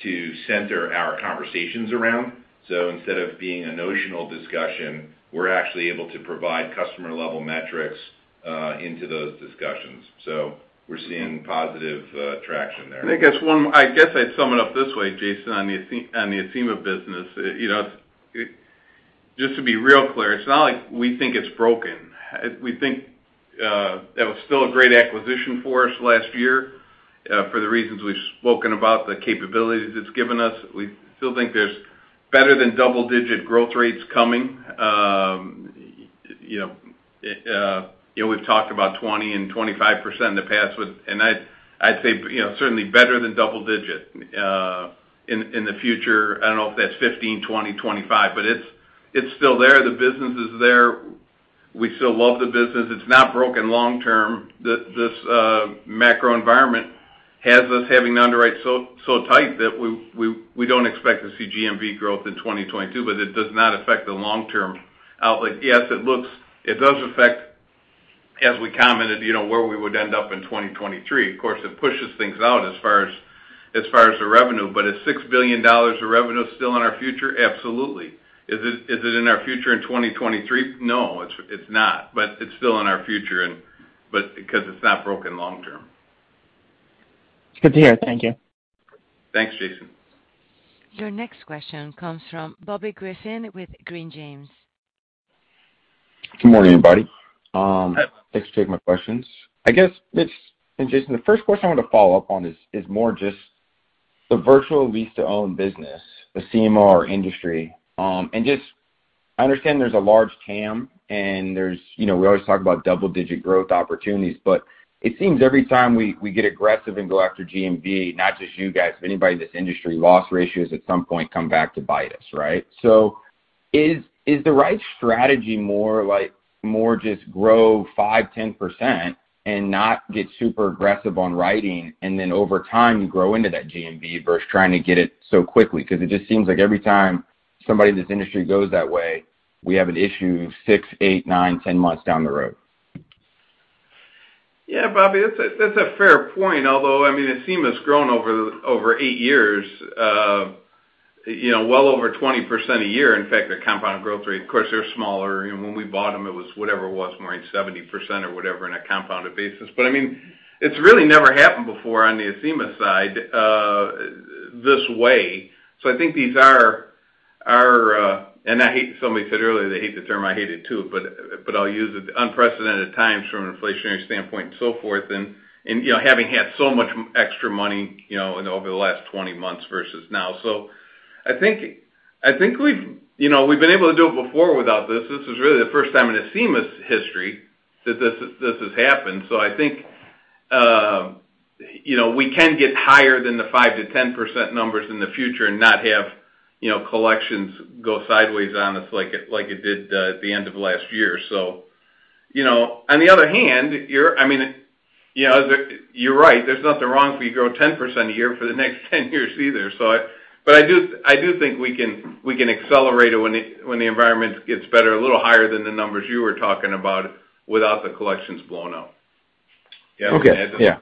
to center our conversations around. Instead of being a notional discussion, we're actually able to provide customer-level metrics into those discussions. We're seeing positive traction there. I guess I'd sum it up this way, Jason, on the Acima business. You know, just to be real clear, it's not like we think it's broken. We think it was still a great acquisition for us last year, for the reasons we've spoken about, the capabilities it's given us. We still think there's better than double-digit growth rates coming. You know, we've talked about 20% and 25% in the past. I'd say, you know, certainly better than double-digit in the future. I don't know if that's 15, 20, 25, but it's still there. The business is there. We still love the business. It's not broken long term. This macro environment has us having to underwrite so tight that we don't expect to see GMV growth in 2022, but it does not affect the long-term outlook. It does affect, as we commented, you know, where we would end up in 2023. Of course, it pushes things out as far as the revenue. Is $6 billion of revenue still in our future? Absolutely. Is it in our future in 2023? No, it's not. It's still in our future because it's not broken long term. It's good to hear. Thank you. Thanks, Jason. Your next question comes from Bobby Griffin with Raymond James. Good morning, everybody. Thanks for taking my questions. I guess, Mitch and Jason, the first question I want to follow up on is more just the virtual lease-to-own business, the CMR industry. And just I understand there's a large TAM and there's, you know, we always talk about double-digit growth opportunities, but it seems every time we get aggressive and go after GMV, not just you guys, but anybody in this industry, loss ratios at some point come back to bite us, right? Is the right strategy more like more just grow 5-10% and not get super aggressive on writing and then over time grow into that GMV versus trying to get it so quickly? Because it just seems like every time somebody in this industry goes that way, we have an issue 6, 8, 9, 10 months down the road. Yeah. Bobby, that's a fair point. Although, I mean, Acima's grown over eight years, you know, well over 20% a year. In fact, their compound growth rate, of course, they're smaller. You know, when we bought them, it was whatever it was, Maureen, 70% or whatever on a compounded basis. But, I mean, it's really never happened before on the Acima side, this way. So I think these are. Somebody said earlier they hate the term, I hate it too, but I'll use it, unprecedented times from an inflationary standpoint and so forth. You know, having had so much extra money, you know, over the last 20 months versus now. So I think we've, you know, we've been able to do it before without this. This is really the first time in Acima's history that this has happened. I think, you know, we can get higher than the 5%-10% numbers in the future and not have, you know, collections go sideways on us like it did at the end of last year. You know, on the other hand, I mean, you know, you're right. There's nothing wrong if we grow 10% a year for the next 10 years either. I do think we can accelerate it when the environment gets better, a little higher than the numbers you were talking about without the collections blowing up. Okay. Yeah.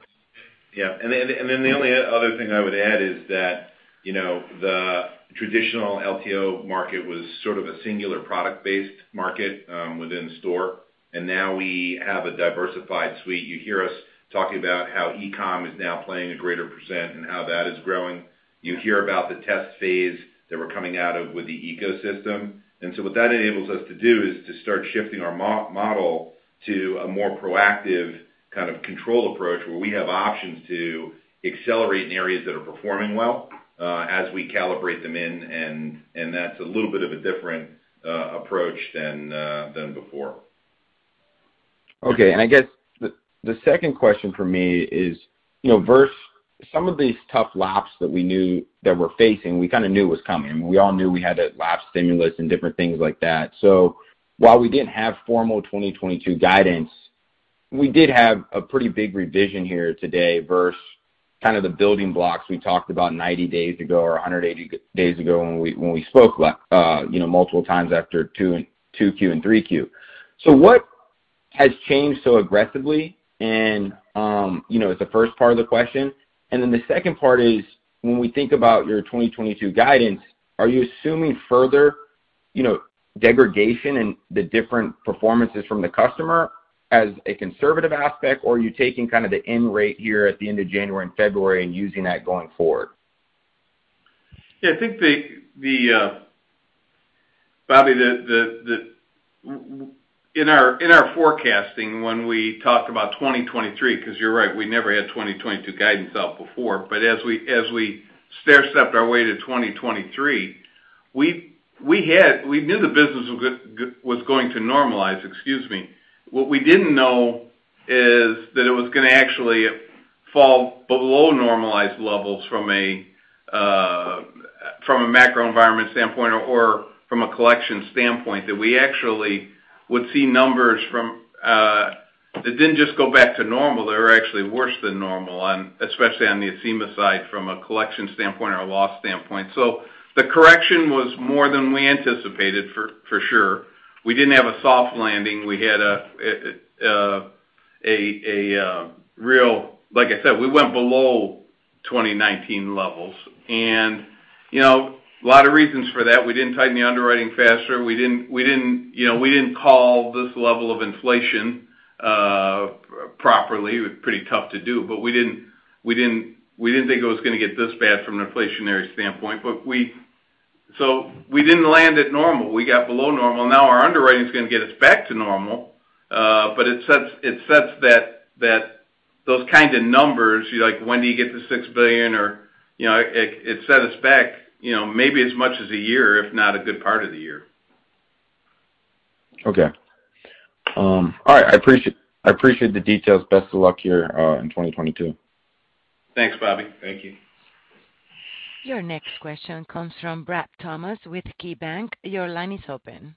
Yeah. Then the only other thing I would add is that, you know, the traditional LTO market was sort of a singular product-based market, within store, and now we have a diversified suite. You hear us talking about how e-com is now playing a greater percent and how that is growing. You hear about the test phase that we're coming out of with the ecosystem. What that enables us to do is to start shifting our model to a more proactive kind of control approach, where we have options to accelerate in areas that are performing well, as we calibrate them in, and that's a little bit of a different approach than before. Okay. I guess the second question from me is, you know, versus some of these tough laps that we knew that we're facing. We kind of knew it was coming. We all knew we had to lap stimulus and different things like that. So while we didn't have formal 2022 guidance, we did have a pretty big revision here today versus kind of the building blocks we talked about 90 days ago or 180 days ago when we spoke, you know, multiple times after 2Q and 3Q. So what has changed so aggressively and, you know, is the first part of the question. The second part is, when we think about your 2022 guidance, are you assuming further, you know, degradation in the different performances from the customer as a conservative aspect, or are you taking kind of the end rate here at the end of January and February and using that going forward? Yeah, I think, Bobby. In our forecasting when we talked about 2023, because you're right, we never had 2022 guidance out before. As we stair-stepped our way to 2023, we knew the business was going to normalize. Excuse me. What we didn't know is that it was gonna actually fall below normalized levels from a macro environment standpoint or from a collection standpoint, that we actually would see numbers from that didn't just go back to normal, they were actually worse than normal, and especially on the Acima side from a collection standpoint or a loss standpoint. So the correction was more than we anticipated for sure. We didn't have a soft landing. We had a real. Like I said, we went below 2019 levels. You know, a lot of reasons for that. We didn't tighten the underwriting faster. We didn't you know call this level of inflation properly. It was pretty tough to do. We didn't think it was gonna get this bad from an inflationary standpoint. We didn't land at normal. We got below normal. Now, our underwriting is gonna get us back to normal, but it sets that those kind of numbers, like when do you get to $6 billion or. You know, it set us back, you know, maybe as much as a year, if not a good part of the year. Okay. All right. I appreciate the details. Best of luck here in 2022. Thanks, Bobby. Thank you. Your next question comes from Brad Thomas with KeyBanc Capital Markets. Your line is open.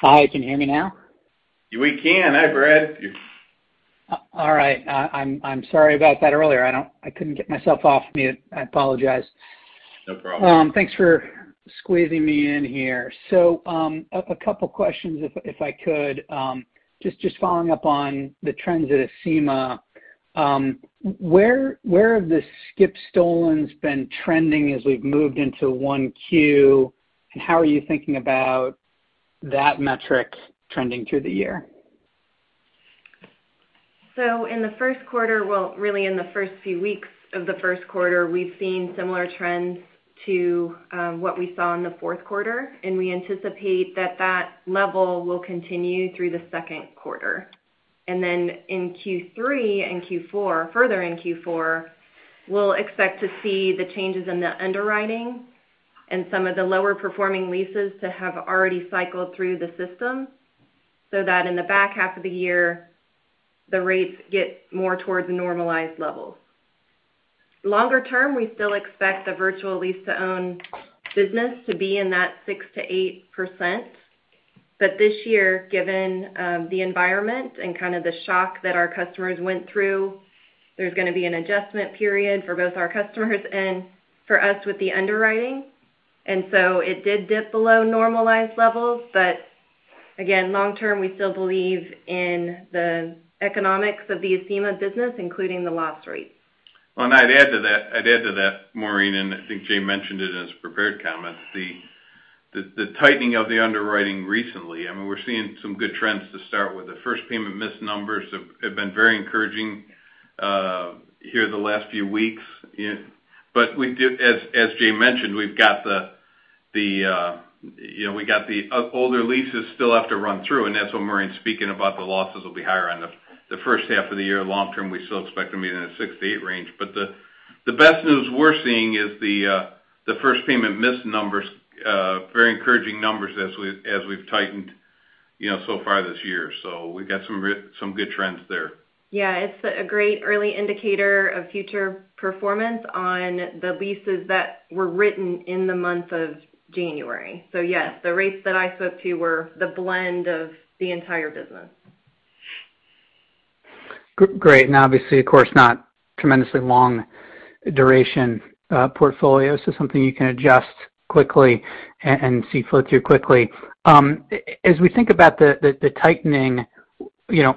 Hi, can you hear me now? We can. Hi, Brad. All right. I'm sorry about that earlier. I couldn't get myself off mute. I apologize. No problem. Thanks for squeezing me in here. A couple of questions if I could, just following up on the trends at Acima. Where have the skip/stolens been trending as we've moved into 1Q? How are you thinking about that metric trending through the year? In the first quarter, well, really in the first few weeks of the first quarter, we've seen similar trends to what we saw in the fourth quarter, and we anticipate that that level will continue through the second quarter. Then in Q3 and Q4, further in Q4, we'll expect to see the changes in the underwriting and some of the lower performing leases to have already cycled through the system, so that in the back half of the year, the rates get more towards normalized levels. Longer term, we still expect the virtual lease-to-own business to be in that 6%-8%. This year, given the environment and kind of the shock that our customers went through, there's gonna be an adjustment period for both our customers and for us with the underwriting. It did dip below normalized levels. Again, long term, we still believe in the economics of the Acima business, including the loss rates. Well, I'd add to that, Maureen, and I think Jay mentioned it in his prepared comments. The tightening of the underwriting recently, I mean, we're seeing some good trends to start with. The first payment miss numbers have been very encouraging here the last few weeks. But we do, as Jay mentioned, we've got the older leases still have to run through, and that's what Maureen's speaking about, the losses will be higher on the first half of the year. Long term, we still expect them to be in the 6-8 range. But the best news we're seeing is the first payment miss numbers very encouraging numbers as we've tightened, you know, so far this year. We've got some good trends there. Yeah. It's a great early indicator of future performance on the leases that were written in the month of January. Yes, the rates that I spoke to were the blend of the entire business. Great. Obviously, of course, not tremendously long duration portfolio. Something you can adjust quickly and see flow through quickly. As we think about the tightening, you know,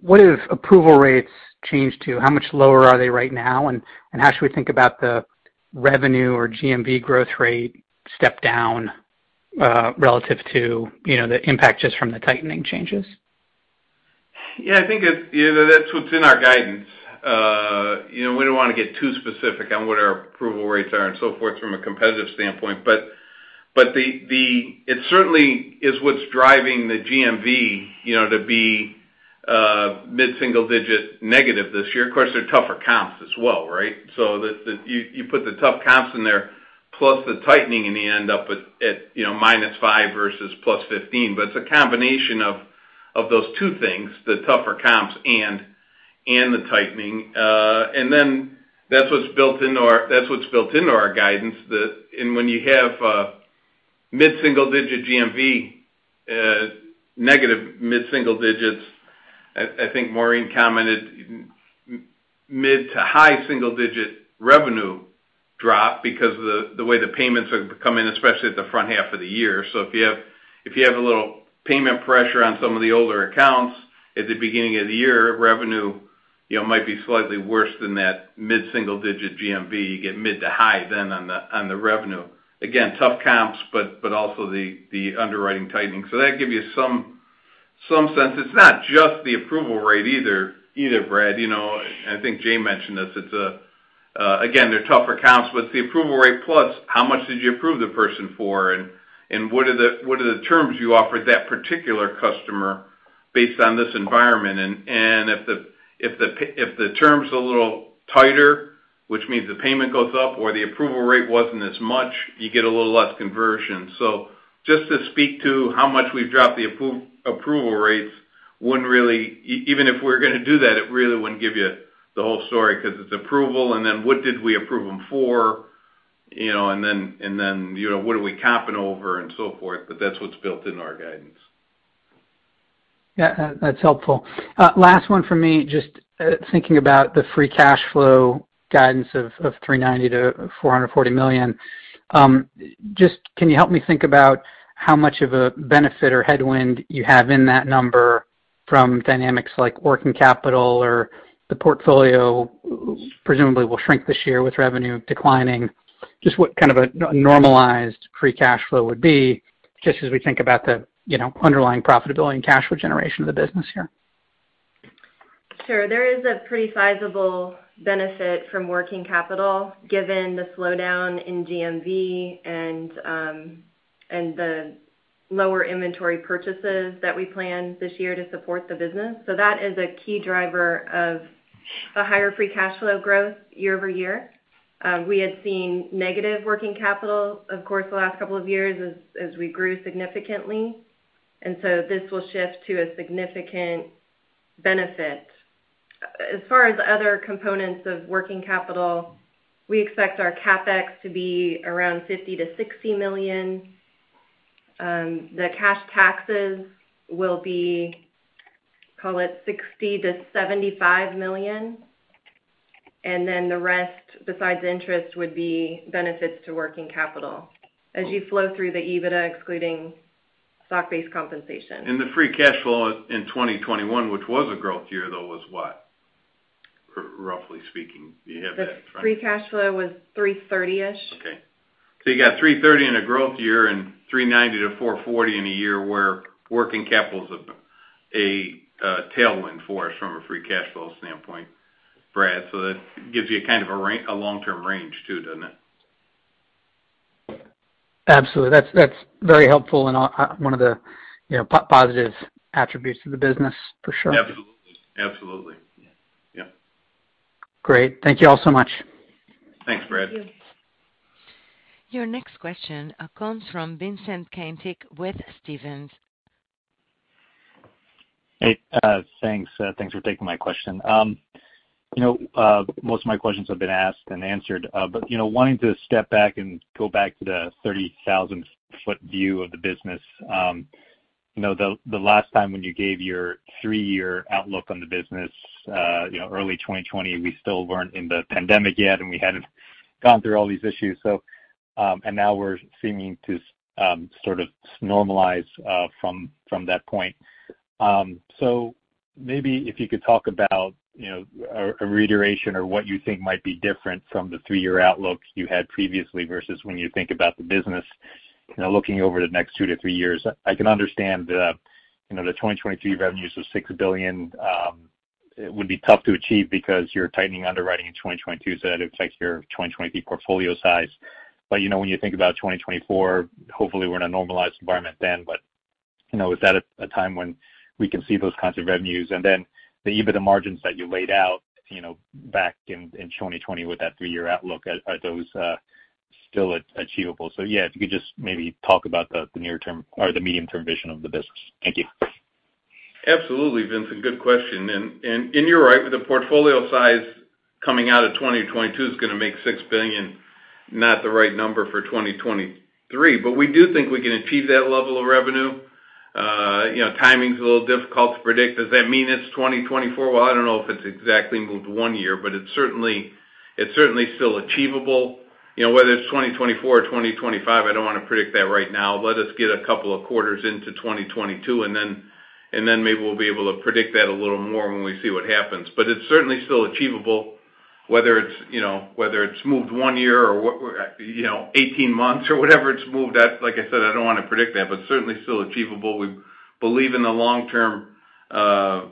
what have approval rates changed to? How much lower are they right now? How should we think about the revenue or GMV growth rate step down, relative to, you know, the impact just from the tightening changes? Yeah, I think it's, you know, that's what's in our guidance. You know, we don't wanna get too specific on what our approval rates are and so forth from a competitive standpoint. It certainly is what's driving the GMV, you know, to be mid-single-digit negative this year. Of course, they're tougher comps as well, right? You put the tough comps in there plus the tightening and you end up with, you know, -5% versus +15%. It's a combination of those two things, the tougher comps and the tightening. That's what's built into our guidance. When you have mid-single digit GMV, negative mid-single digits, I think Maureen commented mid- to high-single-digit revenue drop because of the way the payments are coming, especially at the front half of the year. If you have a little payment pressure on some of the older accounts at the beginning of the year, revenue, you know, might be slightly worse than that mid-single digit GMV. You get mid- to high- then on the revenue. Tough comps, but also the underwriting tightening. That gives you some sense. It's not just the approval rate either, Brad, you know. I think Jay mentioned this. It's again, they're tougher comps, but it's the approval rate plus how much did you approve the person for, and what are the terms you offered that particular customer based on this environment? If the term's a little tighter, which means the payment goes up or the approval rate wasn't as much, you get a little less conversion. Just to speak to how much we've dropped the approval rates wouldn't really even if we're gonna do that, it really wouldn't give you the whole story 'cause it's approval and then what did we approve them for, you know, and then, you know, what are we capping over and so forth. That's what's built into our guidance. Yeah. That's helpful. Last one for me. Just thinking about the free cash flow guidance of $390 million-$440 million. Just can you help me think about how much of a benefit or headwind you have in that number from dynamics like working capital or the portfolio presumably will shrink this year with revenue declining? Just what kind of a normalized free cash flow would be, just as we think about the, you know, underlying profitability and cash flow generation of the business here. Sure. There is a pretty sizable benefit from working capital given the slowdown in GMV and the lower inventory purchases that we plan this year to support the business. That is a key driver of the higher free cash flow growth year over year. We had seen negative working capital, of course, the last couple of years as we grew significantly. This will shift to a significant benefit. As far as other components of working capital, we expect our CapEx to be around $50 million-$60 million. The cash taxes will be, call it $60 million-$75 million, and then the rest besides interest would be benefits to working capital as you flow through the EBITDA excluding stock-based compensation. The free cash flow in 2021, which was a growth year though, was what? Roughly speaking, do you have that in front of you? The free cash flow was $330-ish. Okay. You got $330 in a growth year and $390-$440 in a year where working capital is a tailwind for us from a free cash flow standpoint, Brad. That gives you a kind of a long term range too, doesn't it? Absolutely. That's very helpful and one of the, you know, positive attributes to the business for sure. Absolutely. Yeah. Great. Thank you all so much. Thanks, Brad. Thank you. Your next question comes from Vincent Caintic with Stephens. Hey, thanks. Thanks for taking my question. You know, most of my questions have been asked and answered, but you know, wanting to step back and go back to the 30,000-foot view of the business, you know, the last time when you gave your three-year outlook on the business, you know, early 2020, we still weren't in the pandemic yet, and we hadn't gone through all these issues. Now we're seeming to sort of normalize from that point. So maybe if you could talk about, you know, a reiteration or what you think might be different from the three-year outlook you had previously versus when you think about the business, you know, looking over the next two to three years. I can understand the, you know, the 2023 revenues of $6 billion, it would be tough to achieve because you're tightening underwriting in 2022, so that affects your 2023 portfolio size. You know, when you think about 2024, hopefully we're in a normalized environment then. You know, is that a time when we can see those kinds of revenues? Then the EBITDA margins that you laid out, you know, back in 2020 with that 3-year outlook, are those still achievable? Yeah, if you could just maybe talk about the near term or the medium-term vision of the business. Thank you. Absolutely, Vincent. Good question. You're right. The portfolio size coming out of 2022 is gonna make $6 billion not the right number for 2023. But we do think we can achieve that level of revenue. You know, timing's a little difficult to predict. Does that mean it's 2024? Well, I don't know if it's exactly moved one year, but it's certainly still achievable. You know, whether it's 2024 or 2025, I don't wanna predict that right now. Let us get a couple of quarters into 2022, and then maybe we'll be able to predict that a little more when we see what happens. But it's certainly still achievable, whether it's moved one year or what, you know, eighteen months or whatever it's moved. Like I said, I don't wanna predict that, but certainly still achievable. We believe in the long-term aspects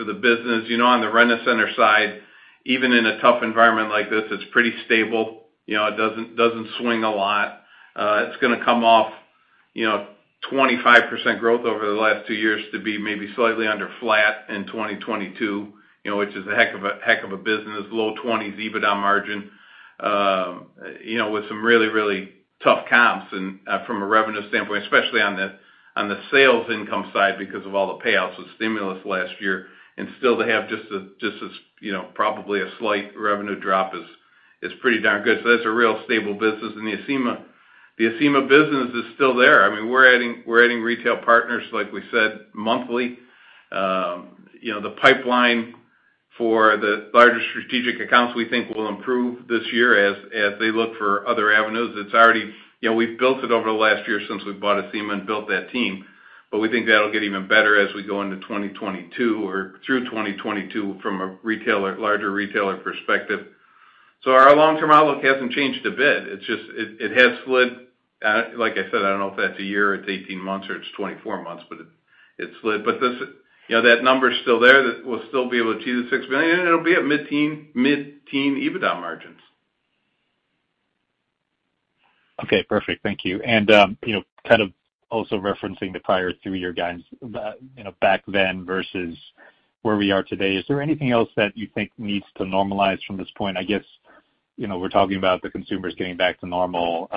of the business. You know, on the Rent-A-Center side, even in a tough environment like this, it's pretty stable. You know, it doesn't swing a lot. You know, 25% growth over the last two years to be maybe slightly under flat in 2022, you know, which is a heck of a business. Low 20s EBITDA margin, you know, with some really tough comps and from a revenue standpoint, especially on the sales income side because of all the payouts with stimulus last year. Still to have just a, you know, probably a slight revenue drop is pretty darn good. That's a real stable business. The Acima business is still there. I mean, we're adding retail partners, like we said, monthly. You know, the pipeline for the larger strategic accounts, we think will improve this year as they look for other avenues. It's already. You know, we've built it over the last year since we bought Acima and built that team. We think that'll get even better as we go into 2022 or through 2022 from a retailer, larger retailer perspective. Our long-term outlook hasn't changed a bit. It's just it has slid. Like I said, I don't know if that's a year or it's 18 months or it's 24 months, but it slid. This, you know, that number's still there. That we'll still be able to achieve the $6 million, and it'll be at mid-teen EBITDA margins. Okay. Perfect. Thank you. You know, kind of also referencing the prior three-year guidance, you know, back then versus where we are today, is there anything else that you think needs to normalize from this point? I guess, you know, we're talking about the consumers getting back to normal,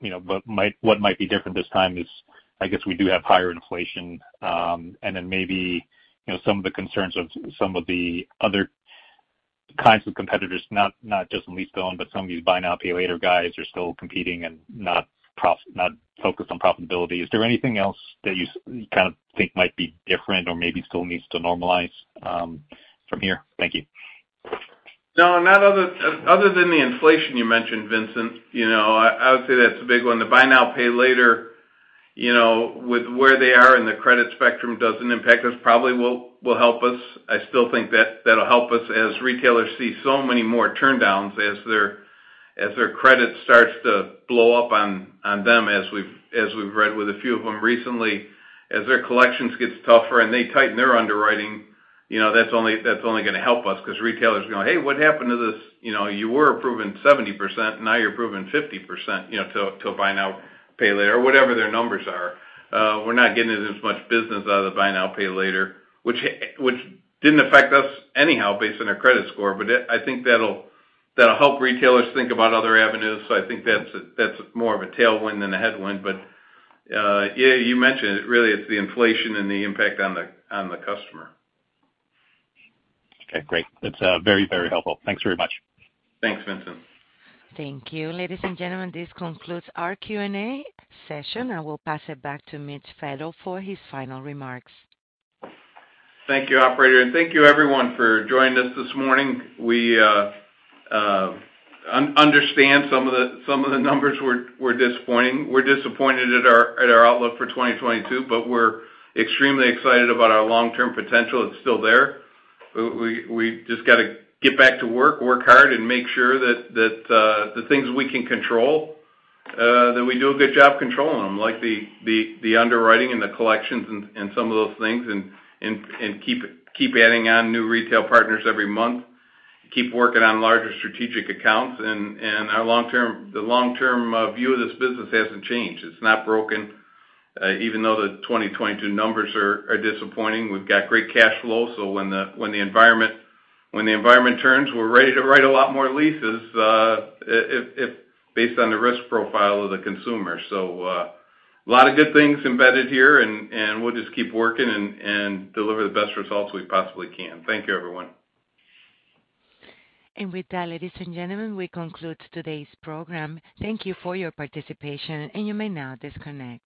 you know, but what might be different this time is, I guess, we do have higher inflation, and then maybe, you know, some of the concerns of some of the other kinds of competitors, not just lease-to-own, but some of these buy now, pay later guys are still competing and not focused on profitability. Is there anything else that you kind of think might be different or maybe still needs to normalize, from here? Thank you. No, not other than the inflation you mentioned, Vincent, you know, I would say that's a big one. The buy now, pay later, you know, with where they are in the credit spectrum doesn't impact us, probably will help us. I still think that that'll help us as retailers see so many more turndowns as their credit starts to blow up on them, as we've read with a few of them recently. As their collections gets tougher and they tighten their underwriting, you know, that's only gonna help us 'cause retailers are going, "Hey, what happened to this? You know, you were approving 70%, now you're approving 50%," you know, to a buy now, pay later, or whatever their numbers are. We're not getting as much business out of the buy now, pay later, which didn't affect us anyhow based on their credit score. I think that'll help retailers think about other avenues. I think that's more of a tailwind than a headwind. Yeah, you mentioned it. Really, it's the inflation and the impact on the customer. Okay, great. That's very, very helpful. Thanks very much. Thanks, Vincent. Thank you. Ladies and gentlemen, this concludes our Q&A session. I will pass it back to Mitch Fadel for his final remarks. Thank you, operator, and thank you everyone for joining us this morning. We understand some of the numbers were disappointing. We're disappointed at our outlook for 2022, but we're extremely excited about our long-term potential. It's still there. We just gotta get back to work hard and make sure that the things we can control that we do a good job controlling them, like the underwriting and the collections and keep adding on new retail partners every month. Keep working on larger strategic accounts and our long-term view of this business hasn't changed. It's not broken even though the 2022 numbers are disappointing. We've got great cash flow, so when the environment turns, we're ready to write a lot more leases, if based on the risk profile of the consumer. A lot of good things embedded here and we'll just keep working and deliver the best results we possibly can. Thank you, everyone. With that, ladies and gentlemen, we conclude today's program. Thank you for your participation, and you may now disconnect.